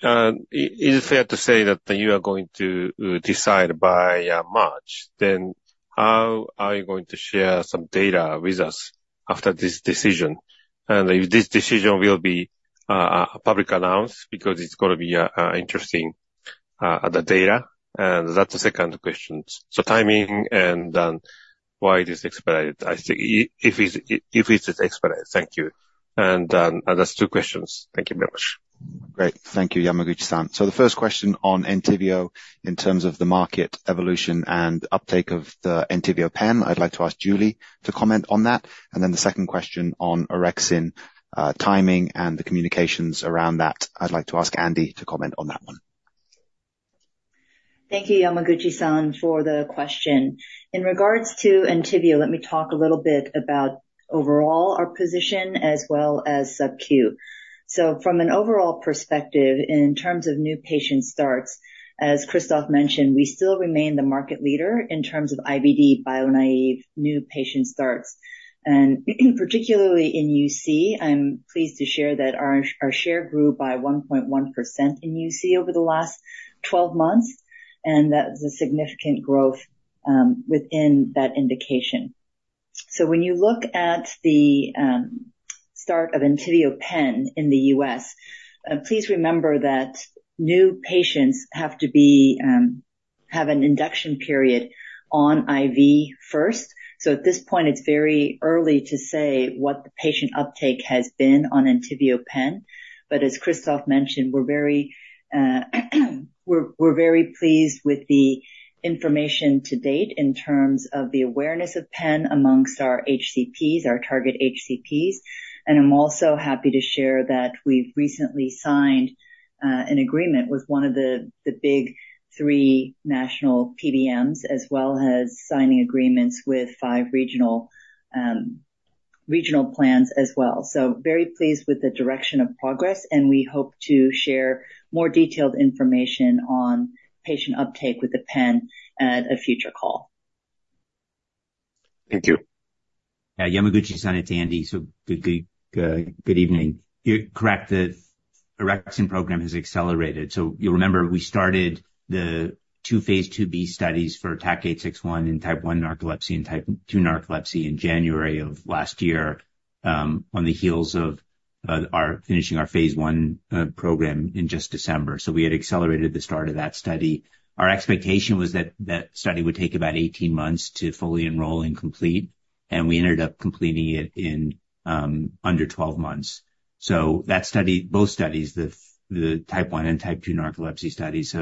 is it fair to say that you are going to decide by March? Then, how are you going to share some data with us after this decision? And if this decision will be a public announcement, because it's gonna be interesting, the data. And that's the second question. So timing and why it is expedited? I think if it's, if it is expedited. Thank you. And that's two questions. Thank you very much. Great. Thank you, Yamaguchi-san. So the first question on ENTYVIO, in terms of the market evolution and uptake of the ENTYVIO Pen, I'd like to ask Julie to comment on that. And then the second question on orexin, timing and the communications around that, I'd like to ask Andy to comment on that one. Thank you, Yamaguchi-san, for the question. In regards to ENTYVIO, let me talk a little bit about overall our position as well as subQ. So from an overall perspective, in terms of new patient starts, as Christophe mentioned, we still remain the market leader in terms of IBD bio-naive new patient starts. And particularly in UC, I'm pleased to share that our, our share grew by 1.1% in UC over the last 12 months, and that is a significant growth within that indication. So when you look at the start of ENTYVIO Pen in the U.S., please remember that new patients have to be have an induction period on IV first. So at this point, it's very early to say what the patient uptake has been on ENTYVIO Pen. But as Christophe mentioned, we're very pleased with the information to date in terms of the awareness of Pen among our HCPs, our target HCPs. And I'm also happy to share that we've recently signed an agreement with one of the big three national PBMs, as well as signing agreements with five regional,... regional plans as well. So very pleased with the direction of progress, and we hope to share more detailed information on patient uptake with the pen at a future call. Thank you. Yeah, Yamaguchi-san, it's Andy. So good evening. You're correct, the Orexin program has accelerated. So you'll remember, we started the two phase II-B studies for TAK-861 in type 1 narcolepsy and type 2 narcolepsy in January of last year, on the heels of our finishing our phase I program in just December. So we had accelerated the start of that study. Our expectation was that that study would take about 18 months to fully enroll and complete, and we ended up completing it in under 12 months. So that study, both studies, the type 1 and type 2 narcolepsy studies,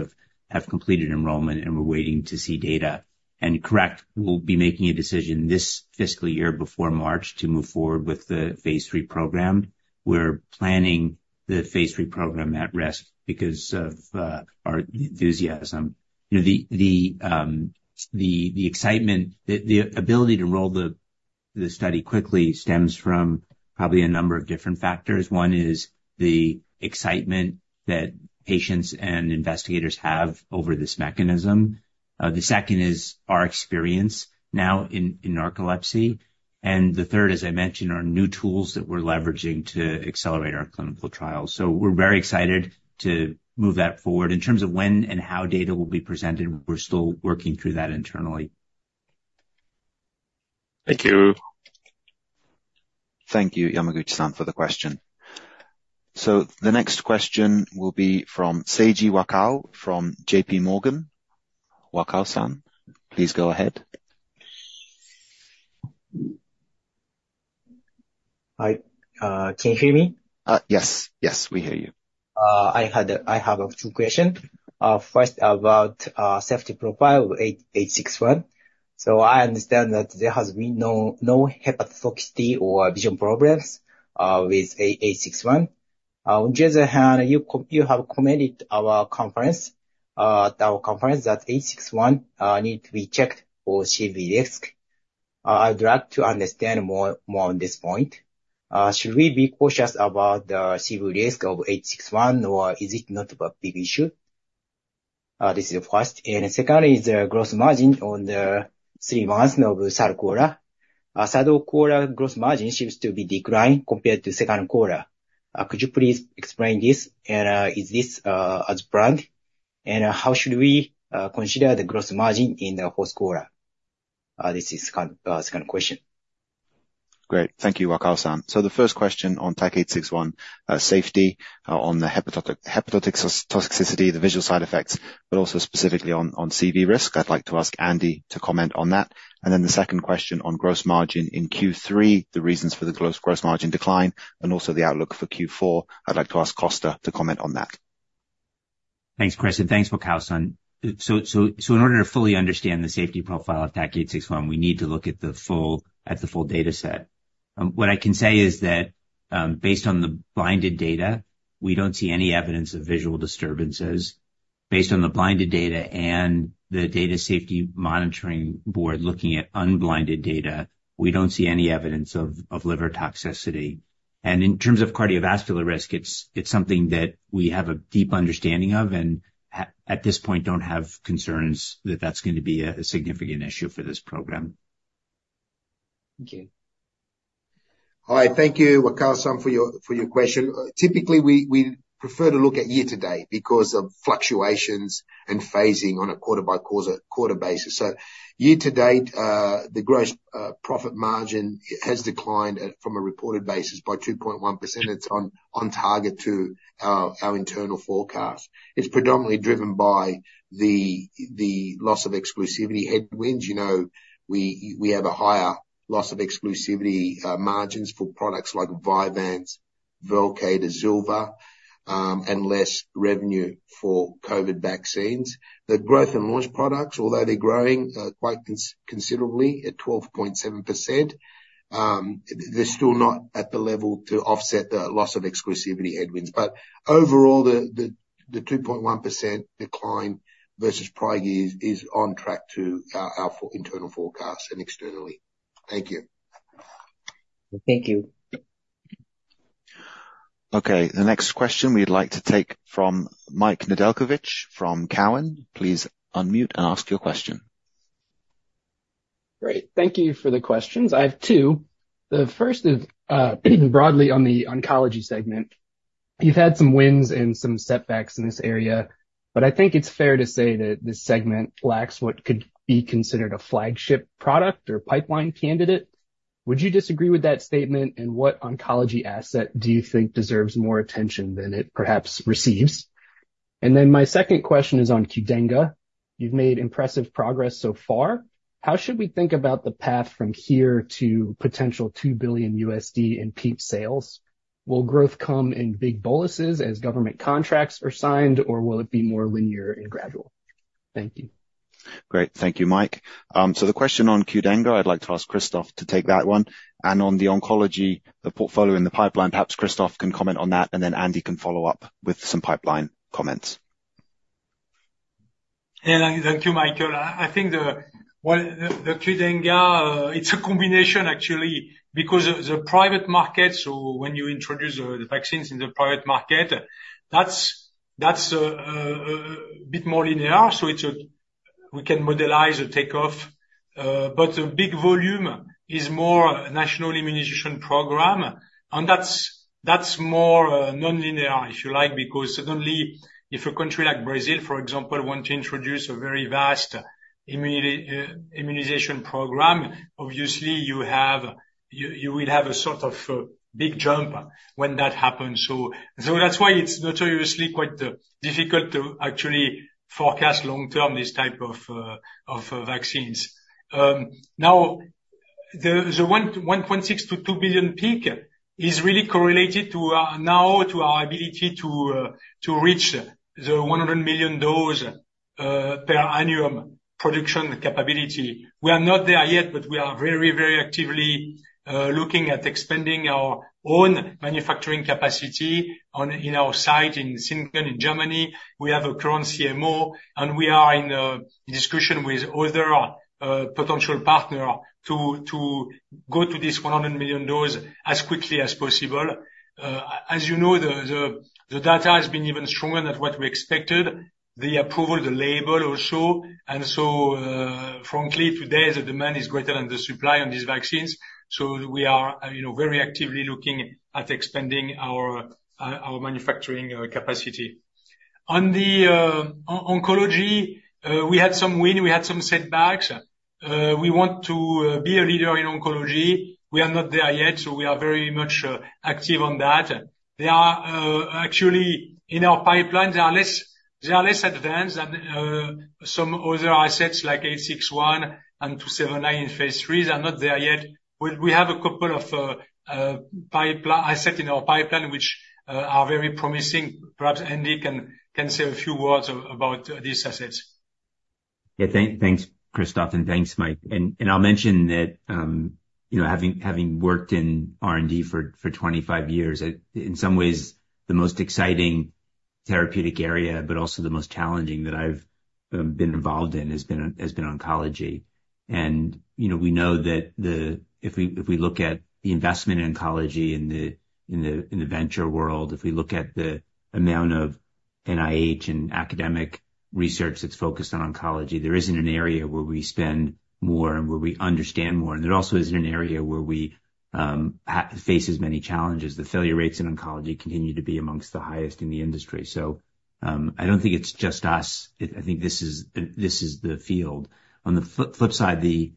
have completed enrollment, and we're waiting to see data. And correct, we'll be making a decision this fiscal year before March to move forward with the phase III program. We're planning the phase III program at rest because of our enthusiasm. You know, the excitement, the ability to enroll the study quickly stems from probably a number of different factors. One is the excitement that patients and investigators have over this mechanism. The second is our experience now in narcolepsy, and the third, as I mentioned, are new tools that we're leveraging to accelerate our clinical trials. So we're very excited to move that forward. In terms of when and how data will be presented, we're still working through that internally. Thank you. Thank you, Yamaguchi-san, for the question. So the next question will be from Seiji Wakao, from JP Morgan. Wakao-san, please go ahead. Hi, can you hear me? Yes. Yes, we hear you. I have two questions. First, about the safety profile of TAK-861. So I understand that there has been no hepatotoxicity or vision problems with TAK-861. On the other hand, you have commented at our conference that TAK-861 needs to be checked for CV risk. I'd like to understand more on this point. Should we be cautious about the CV risk of TAK-861, or is it not a big issue? This is the first, and secondly, the gross margin on the three months of third quarter. Third quarter gross margin seems to be declining compared to second quarter. Could you please explain this? And is this as planned? And how should we consider the gross margin in the fourth quarter? This is the second question. Great. Thank you, Wakao-san. So the first question on TAK-861, safety, on the hepatotoxicity, the visual side effects, but also specifically on CV risk. I'd like to ask Andy to comment on that. And then the second question on gross margin in Q3, the reasons for the gross margin decline and also the outlook for Q4. I'd like to ask Costa to comment on that. Thanks, Chris, and thanks, Wakao-san. In order to fully understand the safety profile of TAK-861, we need to look at the full data set. What I can say is that, based on the blinded data, we don't see any evidence of visual disturbances. Based on the blinded data and the data safety monitoring board looking at unblinded data, we don't see any evidence of liver toxicity. And in terms of cardiovascular risk, it's something that we have a deep understanding of, and at this point, don't have concerns that that's going to be a significant issue for this program. Thank you. Hi. Thank you, Wakao-san, for your question. Typically, we prefer to look at year to date because of fluctuations and phasing on a quarter-by-quarter basis. So year to date, the gross profit margin has declined from a reported basis by 2.1%. It's on target to our internal forecast. It's predominantly driven by the loss of exclusivity headwinds. You know, we have a higher loss of exclusivity margins for products like Vyvanse, Velcade, Azilva, and less revenue for COVID vaccines. The growth in launch products, although they're growing quite considerably at 12.7%, they're still not at the level to offset the loss of exclusivity headwinds. But overall, the 2.1% decline versus prior years is on track to our internal forecasts and externally. Thank you. Thank you. Okay, the next question we'd like to take from Mike Nedelcovych from Cowen. Please unmute and ask your question. Great. Thank you for the questions. I have two. The first is, broadly on the oncology segment. You've had some wins and some setbacks in this area, but I think it's fair to say that this segment lacks what could be considered a flagship product or pipeline candidate. Would you disagree with that statement? And what oncology asset do you think deserves more attention than it perhaps receives? And then my second question is on QDENGA. You've made impressive progress so far. How should we think about the path from here to potential $2 billion in peak sales? Will growth come in big boluses as government contracts are signed, or will it be more linear and gradual? Thank you. Great. Thank you, Mike. So the question on QDENGA, I'd like to ask Christophe to take that one. On the oncology, the portfolio in the pipeline, perhaps Christophe can comment on that, and then Andy can follow up with some pipeline comments.... And thank you, Michael. I think, well, the QDENGA, it's a combination actually, because of the private market. So when you introduce the vaccines in the private market, that's a bit more linear. So it's a we can modelize the takeoff, but the big volume is more national immunization program, and that's more nonlinear, if you like, because suddenly, if a country like Brazil, for example, want to introduce a very vast immunization program, obviously, you will have a sort of big jump when that happens. So that's why it's notoriously quite difficult to actually forecast long term this type of vaccines. Now, the $1.6 billion-$2 billion peak is really correlated to our ability to reach the 100 million dose per annum production capability. We are not there yet, but we are very, very actively looking at expanding our own manufacturing capacity in our site in Singen, in Germany. We have a current CMO, and we are in discussion with other potential partner to go to this 100 million dose as quickly as possible. As you know, the data has been even stronger than what we expected, the approval, the label also. Frankly, today, the demand is greater than the supply on these vaccines. So we are, you know, very actively looking at expanding our manufacturing capacity. On the oncology, we had some win, we had some setbacks. We want to be a leader in oncology. We are not there yet, so we are very much active on that. There are actually in our pipeline, they are less, they are less advanced than some other assets like 861 and 279 in phase IIIs are not there yet. We have a couple of pipeline asset in our pipeline, which are very promising. Perhaps Andy can say a few words about these assets. Yeah, thanks, Christophe, and thanks, Mike. And I'll mention that, you know, having worked in R&D for 25 years, it in some ways the most exciting therapeutic area, but also the most challenging that I've been involved in, has been oncology. And, you know, we know that the. If we look at the investment in oncology in the venture world, if we look at the amount of NIH and academic research that's focused on oncology, there isn't an area where we spend more and where we understand more. And there also isn't an area where we face as many challenges. The failure rates in oncology continue to be amongst the highest in the industry. So, I don't think it's just us. I think this is the field. On the flip side, the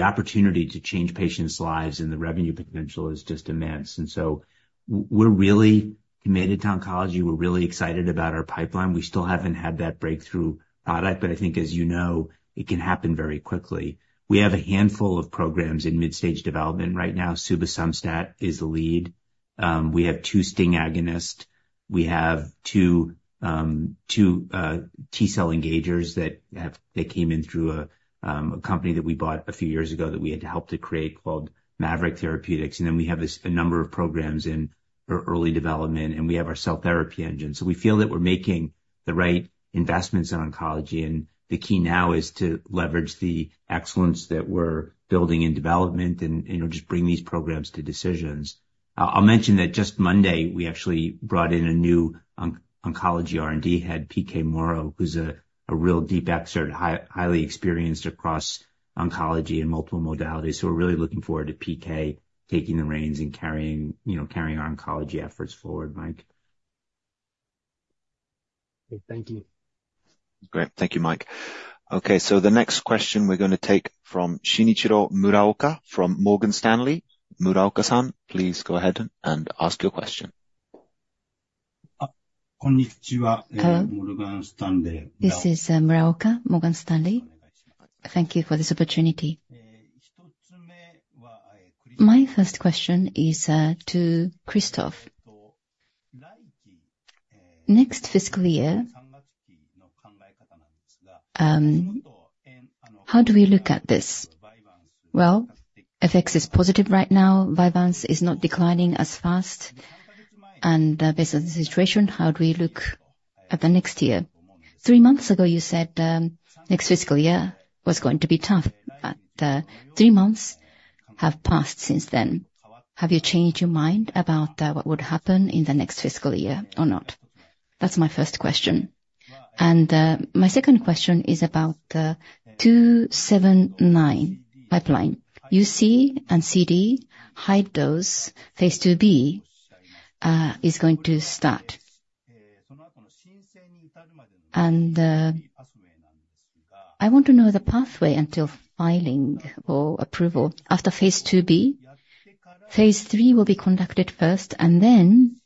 opportunity to change patients' lives and the revenue potential is just immense. And so we're really committed to oncology. We're really excited about our pipeline. We still haven't had that breakthrough product, but I think, as you know, it can happen very quickly. We have a handful of programs in mid-stage development right now. Subasumstat is the lead. We have two STING agonists. We have two T-cell engagers that came in through a company that we bought a few years ago that we had helped to create, called Maverick Therapeutics. And then we have a number of programs in early development, and we have our cell therapy engine. So we feel that we're making the right investments in oncology, and the key now is to leverage the excellence that we're building in development and just bring these programs to decisions. I'll mention that just Monday, we actually brought in a new oncology R&D head, P.K. Morrow, who's a real deep expert, highly experienced across oncology and multiple modalities. So we're really looking forward to PK taking the reins and carrying, you know, carrying our oncology efforts forward, Mike. Thank you. Great. Thank you, Mike. Okay, so the next question we're gonna take from Shinichiro Muraoka, from Morgan Stanley. Muraoka-san, please go ahead and ask your question. Hello. This is Muraoka, Morgan Stanley. Thank you for this opportunity. My first question is to Christophe. Next fiscal year, how do we look at this? Well, FX is positive right now, Vyvanse is not declining as fast. And based on the situation, how do we look at the next year? Three months ago, you said next fiscal year was going to be tough, but three months have passed since then. Have you changed your mind about what would happen in the next fiscal year or not? That's my first question. And my second question is about the TAK-279 pipeline. UC and CD, high-dose phase II-B, is going to start. And I want to know the pathway until filing or approval. After phase II-B, phase III will be conducted first, and then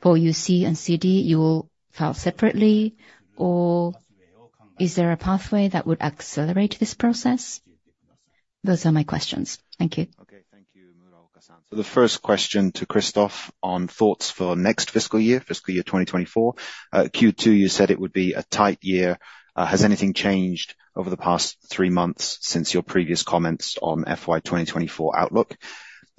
for UC and CD, you will file separately, or is there a pathway that would accelerate this process? Those are my questions. Thank you. Okay, thank you, Muraoka-san. So the first question to Christophe on thoughts for next fiscal year, fiscal year 2024. Q2, you said it would be a tight year. Has anything changed over the past three months since your previous comments on FY 2024 outlook?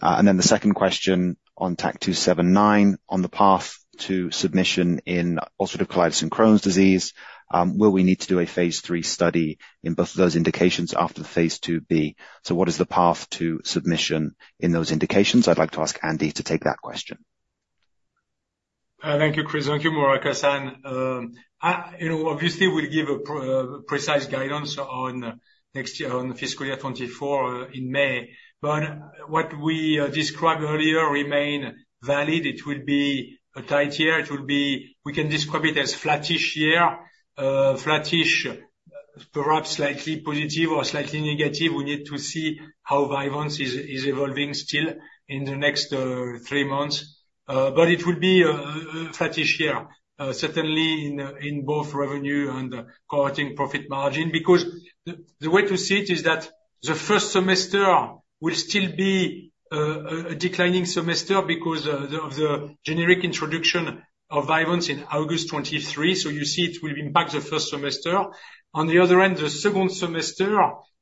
And then the second question on TAK-279, on the path to submission in ulcerative colitis and Crohn's disease, will we need to do a phase III study in both of those indications after the phase II-B? So what is the path to submission in those indications? I'd like to ask Andy to take that question.... Thank you, Chris. Thank you, Muraoka-san. You know, obviously, we'll give a precise guidance on next year, on fiscal year 2024 in May, but what we described earlier remain valid. It will be a tight year. It will be... We can describe it as flattish year, flattish, perhaps slightly positive or slightly negative. We need to see how Vyvanse is evolving still in the next three months. But it will be a flattish year, certainly in both revenue and correcting profit margin, because the way to see it is that the first semester will still be a declining semester because of the generic introduction of Vyvanse in August 2023. So you see it will impact the first semester. On the other end, the second semester,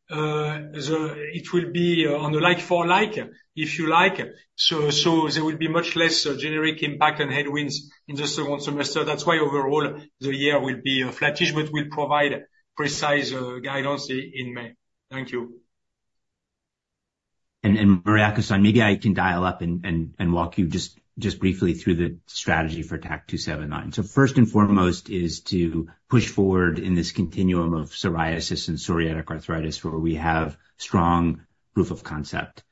it will be on the like for like, if you like. So there will be much less generic impact and headwinds in the second semester. That's why overall, the year will be flattish, but we'll provide precise guidance in May. Thank you. Muraoka-san, maybe I can dive in and walk you just briefly through the strategy for TAK-279. So first and foremost is to push forward in this continuum of psoriasis and psoriatic arthritis, where we have strong proof of concept.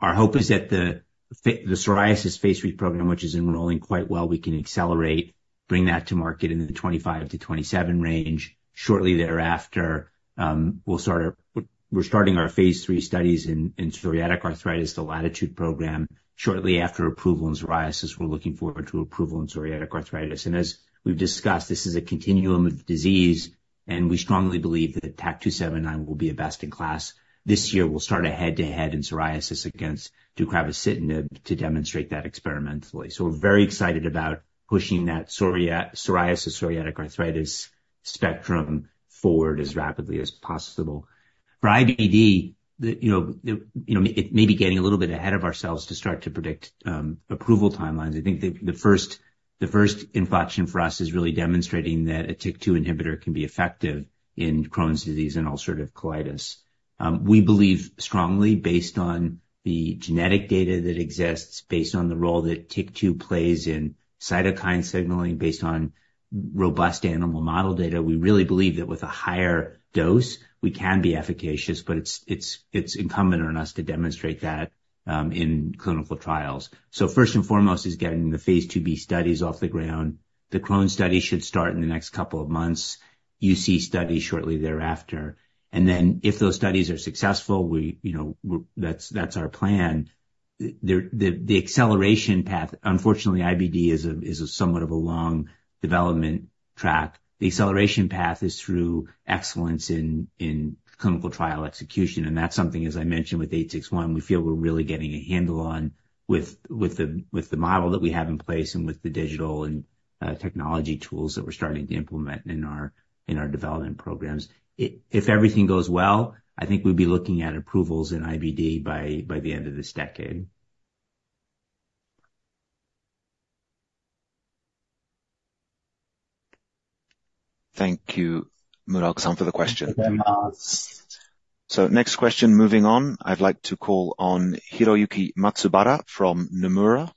Our hope is that the psoriasis phase III program, which is enrolling quite well, we can accelerate, bring that to market in the 2025-2027 range. Shortly thereafter, we'll start our phase III studies in psoriatic arthritis, the Latitude program. Shortly after approval in psoriasis, we're looking forward to approval in psoriatic arthritis. And as we've discussed, this is a continuum of disease, and we strongly believe that TAK-279 will be a best-in-class. This year, we'll start a head-to-head in psoriasis against upadacitinib to demonstrate that experimentally. So we're very excited about pushing that psoria- psoriasis, psoriatic arthritis spectrum forward as rapidly as possible. For IBD, you know, it may be getting a little bit ahead of ourselves to start to predict approval timelines. I think the first inflection for us is really demonstrating that a TYK2 inhibitor can be effective in Crohn's disease and ulcerative colitis. We believe strongly, based on the genetic data that exists, based on the role that TYK2 plays in cytokine signaling, based on robust animal model data, we really believe that with a higher dose, we can be efficacious, but it's incumbent on us to demonstrate that in clinical trials. So first and foremost is getting the phase II-B studies off the ground. The Crohn's study should start in the next couple of months, UC study shortly thereafter. And then if those studies are successful, we, you know, we're... That's our plan. The acceleration path, unfortunately, IBD is a somewhat of a long development track. The acceleration path is through excellence in clinical trial execution, and that's something, as I mentioned, with 861, we feel we're really getting a handle on with the model that we have in place and with the digital and technology tools that we're starting to implement in our development programs. If everything goes well, I think we'll be looking at approvals in IBD by the end of this decade. Thank you, Muraoka-san, for the question. Thank you very much. Next question, moving on, I'd like to call on Hiroyuki Matsubara from Nomura.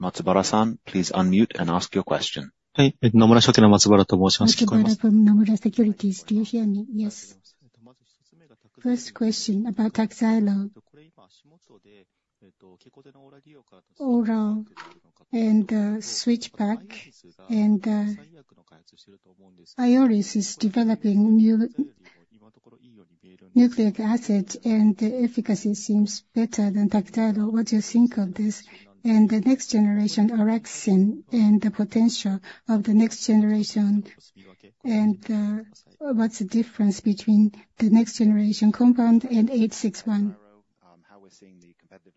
Matsubara-san, please unmute and ask your question. Hi, Nomura Securities Matsubara. Matsubara from Nomura Securities. Do you hear me? Yes. First question about TAKHZYRO. Oral and switchback, and Ionis is developing new nucleic acid, and the efficacy seems better than TAKHZYRO. What do you think of this? And the next generation orexin and the potential of the next generation, and what's the difference between the next generation compound and TAK-861? How we're seeing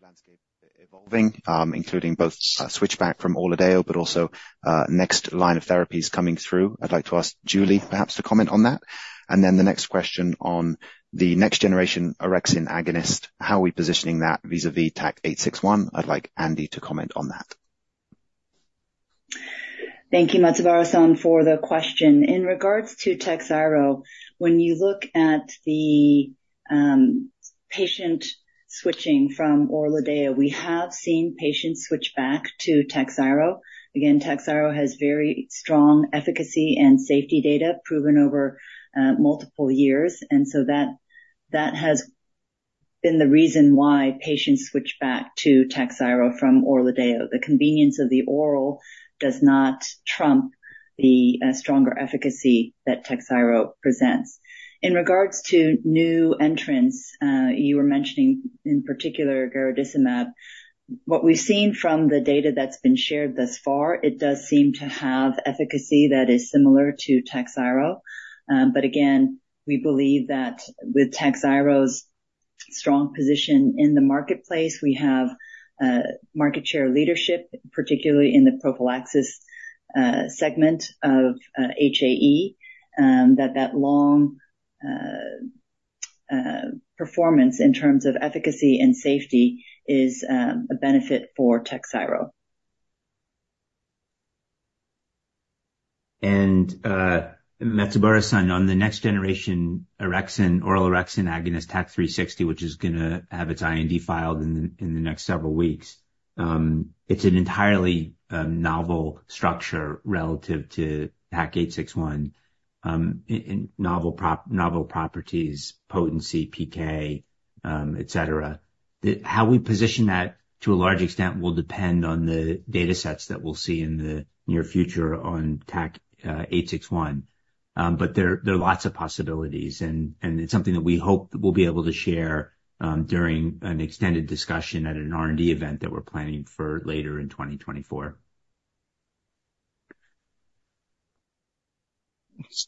the competitive landscape evolving, including both switchback from ORLADEYO, but also next line of therapies coming through. I'd like to ask Julie perhaps to comment on that. And then the next question on the next generation orexin agonist, how are we positioning that vis-a-vis TAK-861? I'd like Andy to comment on that. Thank you, Matsubara-san, for the question. In regards to TAKHZYRO, when you look at the patient switching from ORLADEYO, we have seen patients switch back to TAKHZYRO. Again, TAKHZYRO has very strong efficacy and safety data proven over multiple years, and so that, that has been the reason why patients switch back to TAKHZYRO from ORLADEYO. The convenience of the oral does not trump the stronger efficacy that TAKHZYRO presents. In regards to new entrants, you were mentioning, in particular, garadacimab. What we've seen from the data that's been shared thus far, it does seem to have efficacy that is similar to TAKHZYRO. But again, we believe that with TAKHZYRO's strong position in the marketplace, we have market share leadership, particularly in the prophylaxis segment of HAE, that long performance in terms of efficacy and safety is a benefit for TAKHZYRO. Matsubara-san, on the next generation orexin, oral orexin agonist, TAK-360, which is going to have its IND filed in the next several weeks. It's an entirely novel structure relative to TAK-861, in novel properties, potency, PK, et cetera. How we position that, to a large extent, will depend on the datasets that we'll see in the near future on TAK-861. But there are lots of possibilities and it's something that we hope we'll be able to share during an extended discussion at an R&D event that we're planning for later in 2024. Thank you.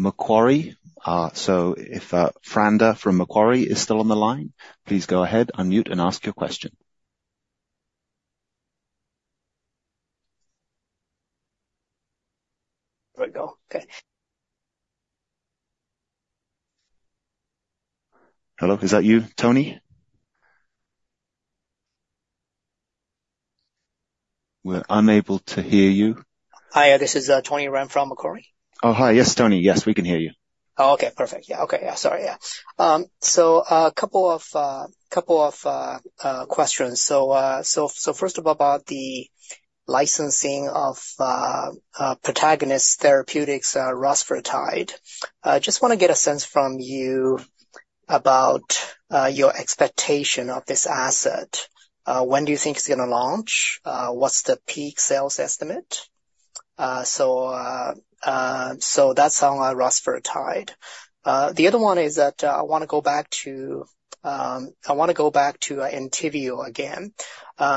Okay, let's move on to the next question. I'd like to call upon Miyabi Yamakita-san. Yamakita-san from Jefferies, please unmute and ask your question. It looks like the hand has been lowered, so I'd like to move on to the next question from Macquarie. So if Tony Ren from Macquarie is still on the line, please go ahead, unmute and ask your question. There we go. Okay. Hello, is that you, Tony? We're unable to hear you. Hi, this is Tony Ren from Macquarie. Oh, hi. Yes, Tony. Yes, we can hear you. Oh, okay. Perfect. Yeah. Okay. Yeah, sorry. Yeah. So, couple of questions. So, first off about the licensing of Protagonist Therapeutics, rusfertide. Just wanna get a sense from you about your expectation of this asset. When do you think it's gonna launch? What's the peak sales estimate? So that's on rusfertide. The other one is that, I wanna go back to, I wanna go back to ENTYVIO again.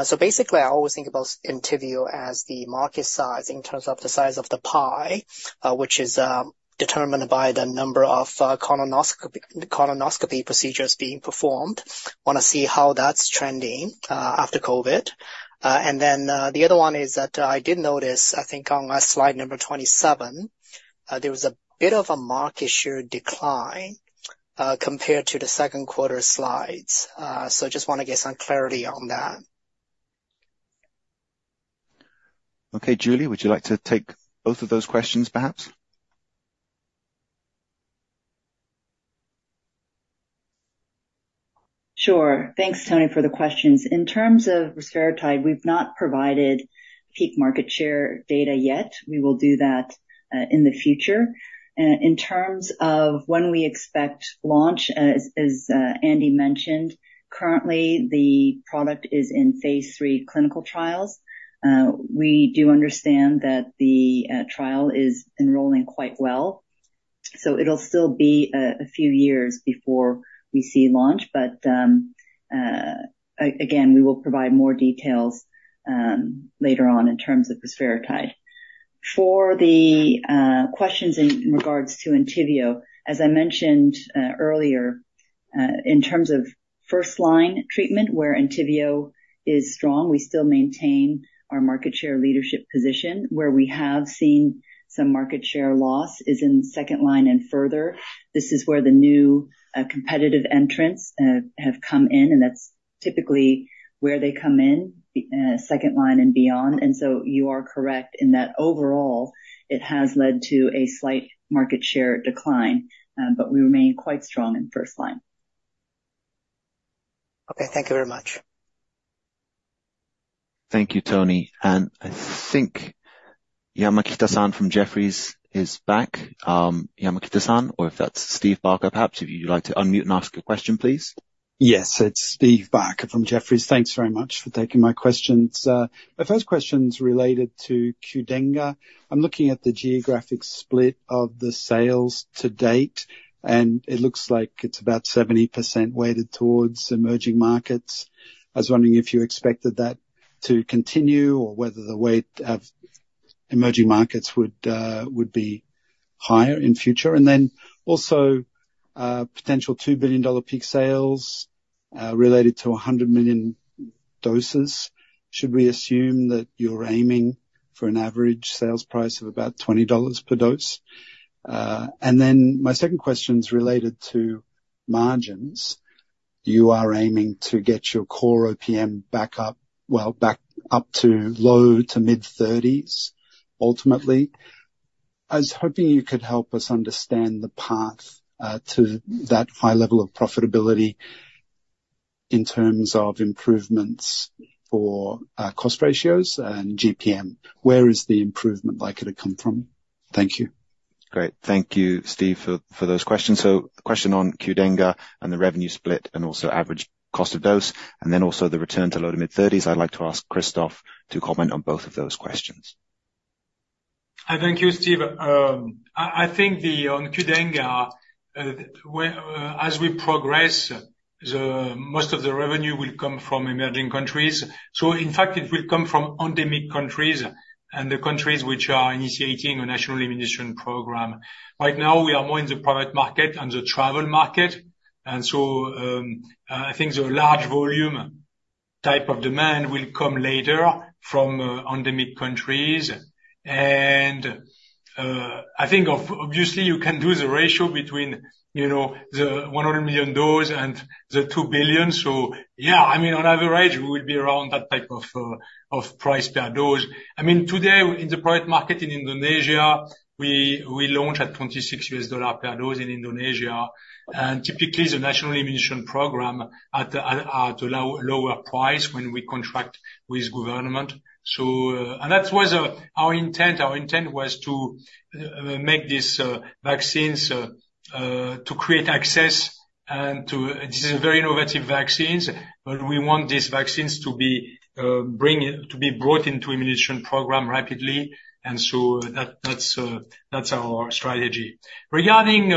So basically, I always think about ENTYVIO as the market size in terms of the size of the pie, which is determined by the number of colonoscopy procedures being performed. Wanna see how that's trending after COVID. And then, the other one is that I did notice, I think on slide number 27, there was a bit of a market share decline, compared to the second quarter slides. So just wanna get some clarity on that. Okay. Julie, would you like to take both of those questions, perhaps? Sure. Thanks, Tony, for the questions. In terms of rusfertide, we've not provided peak market share data yet. We will do that in the future. In terms of when we expect launch, as Andy mentioned, currently the product is in phase III clinical trials. We do understand that the trial is enrolling quite well, so it'll still be a few years before we see launch, but again, we will provide more details later on, in terms of rusfertide. For the questions in regards to ENTYVIO, as I mentioned earlier, in terms of first-line treatment, where ENTYVIO is strong, we still maintain our market share leadership position. Where we have seen some market share loss is in second line and further. This is where the new, competitive entrants, have come in, and that's typically where they come in, second line and beyond. And so you are correct in that overall, it has led to a slight market share decline, but we remain quite strong in first line. Okay, thank you very much. Thank you, Tony. And I think Yamakita-san from Jefferies is back. Yamakita-san, or if that's Steve Barker, perhaps, if you'd like to unmute and ask a question, please. Yes, it's Steve Barker from Jefferies. Thanks very much for taking my questions. My first question is related to QDENGA. I'm looking at the geographic split of the sales to date, and it looks like it's about 70% weighted towards emerging markets. I was wondering if you expected that to continue or whether the weight of emerging markets would be higher in future. And then also, potential $2 billion peak sales, related to 100 million doses. Should we assume that you're aiming for an average sales price of about $20 per dose? And then my second question is related to margins. You are aiming to get your core OPM back up, well, back up to low-to-mid-30s%, ultimately. I was hoping you could help us understand the path to that high level of profitability in terms of improvements for cost ratios and GPM. Where is the improvement likely to come from? Thank you. Great. Thank you, Steve, for those questions. So the question on QDENGA and the revenue split and also average cost of dose, and then also the return to low- to mid-30s. I'd like to ask Christophe to comment on both of those questions. Thank you, Steve. I think on QDENGA-... well, as we progress, the most of the revenue will come from emerging countries. So in fact, it will come from endemic countries and the countries which are initiating a national immunization program. Right now, we are more in the private market and the travel market, and so, I think the large volume type of demand will come later from, endemic countries. And, I think of- obviously, you can do the ratio between, you know, the 100 million dose and the $2 billion. So yeah, I mean, on average, we will be around that type of, of price per dose. I mean, today, in the private market in Indonesia, we, we launched at $26 per dose in Indonesia, and typically, the national immunization program at a, at a low, lower price when we contract with government. So,... And that was our intent. Our intent was to make these vaccines to create access and to—this is a very innovative vaccines, but we want these vaccines to be bring in, to be brought into immunization program rapidly, and so that—that's that's our strategy. Regarding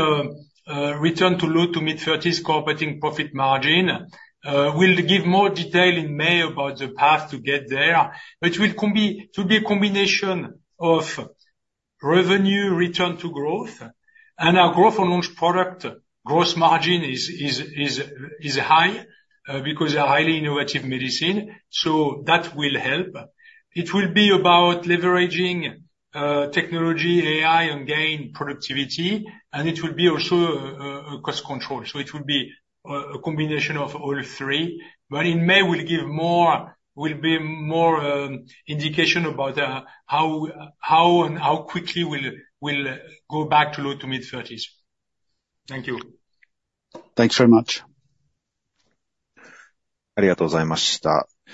return to low- to mid-30s core operating profit margin, we'll give more detail in May about the path to get there, which will—it will be a combination of revenue return to growth, and our Growth and Launch product gross margin is high, because they are highly innovative medicine, so that will help. It will be about leveraging technology, AI, and gain productivity, and it will be also cost control. So it will be a combination of all three, but in May, we'll give more indication about how and how quickly we'll go back to low- to mid-30s. Thank you. Thanks very much.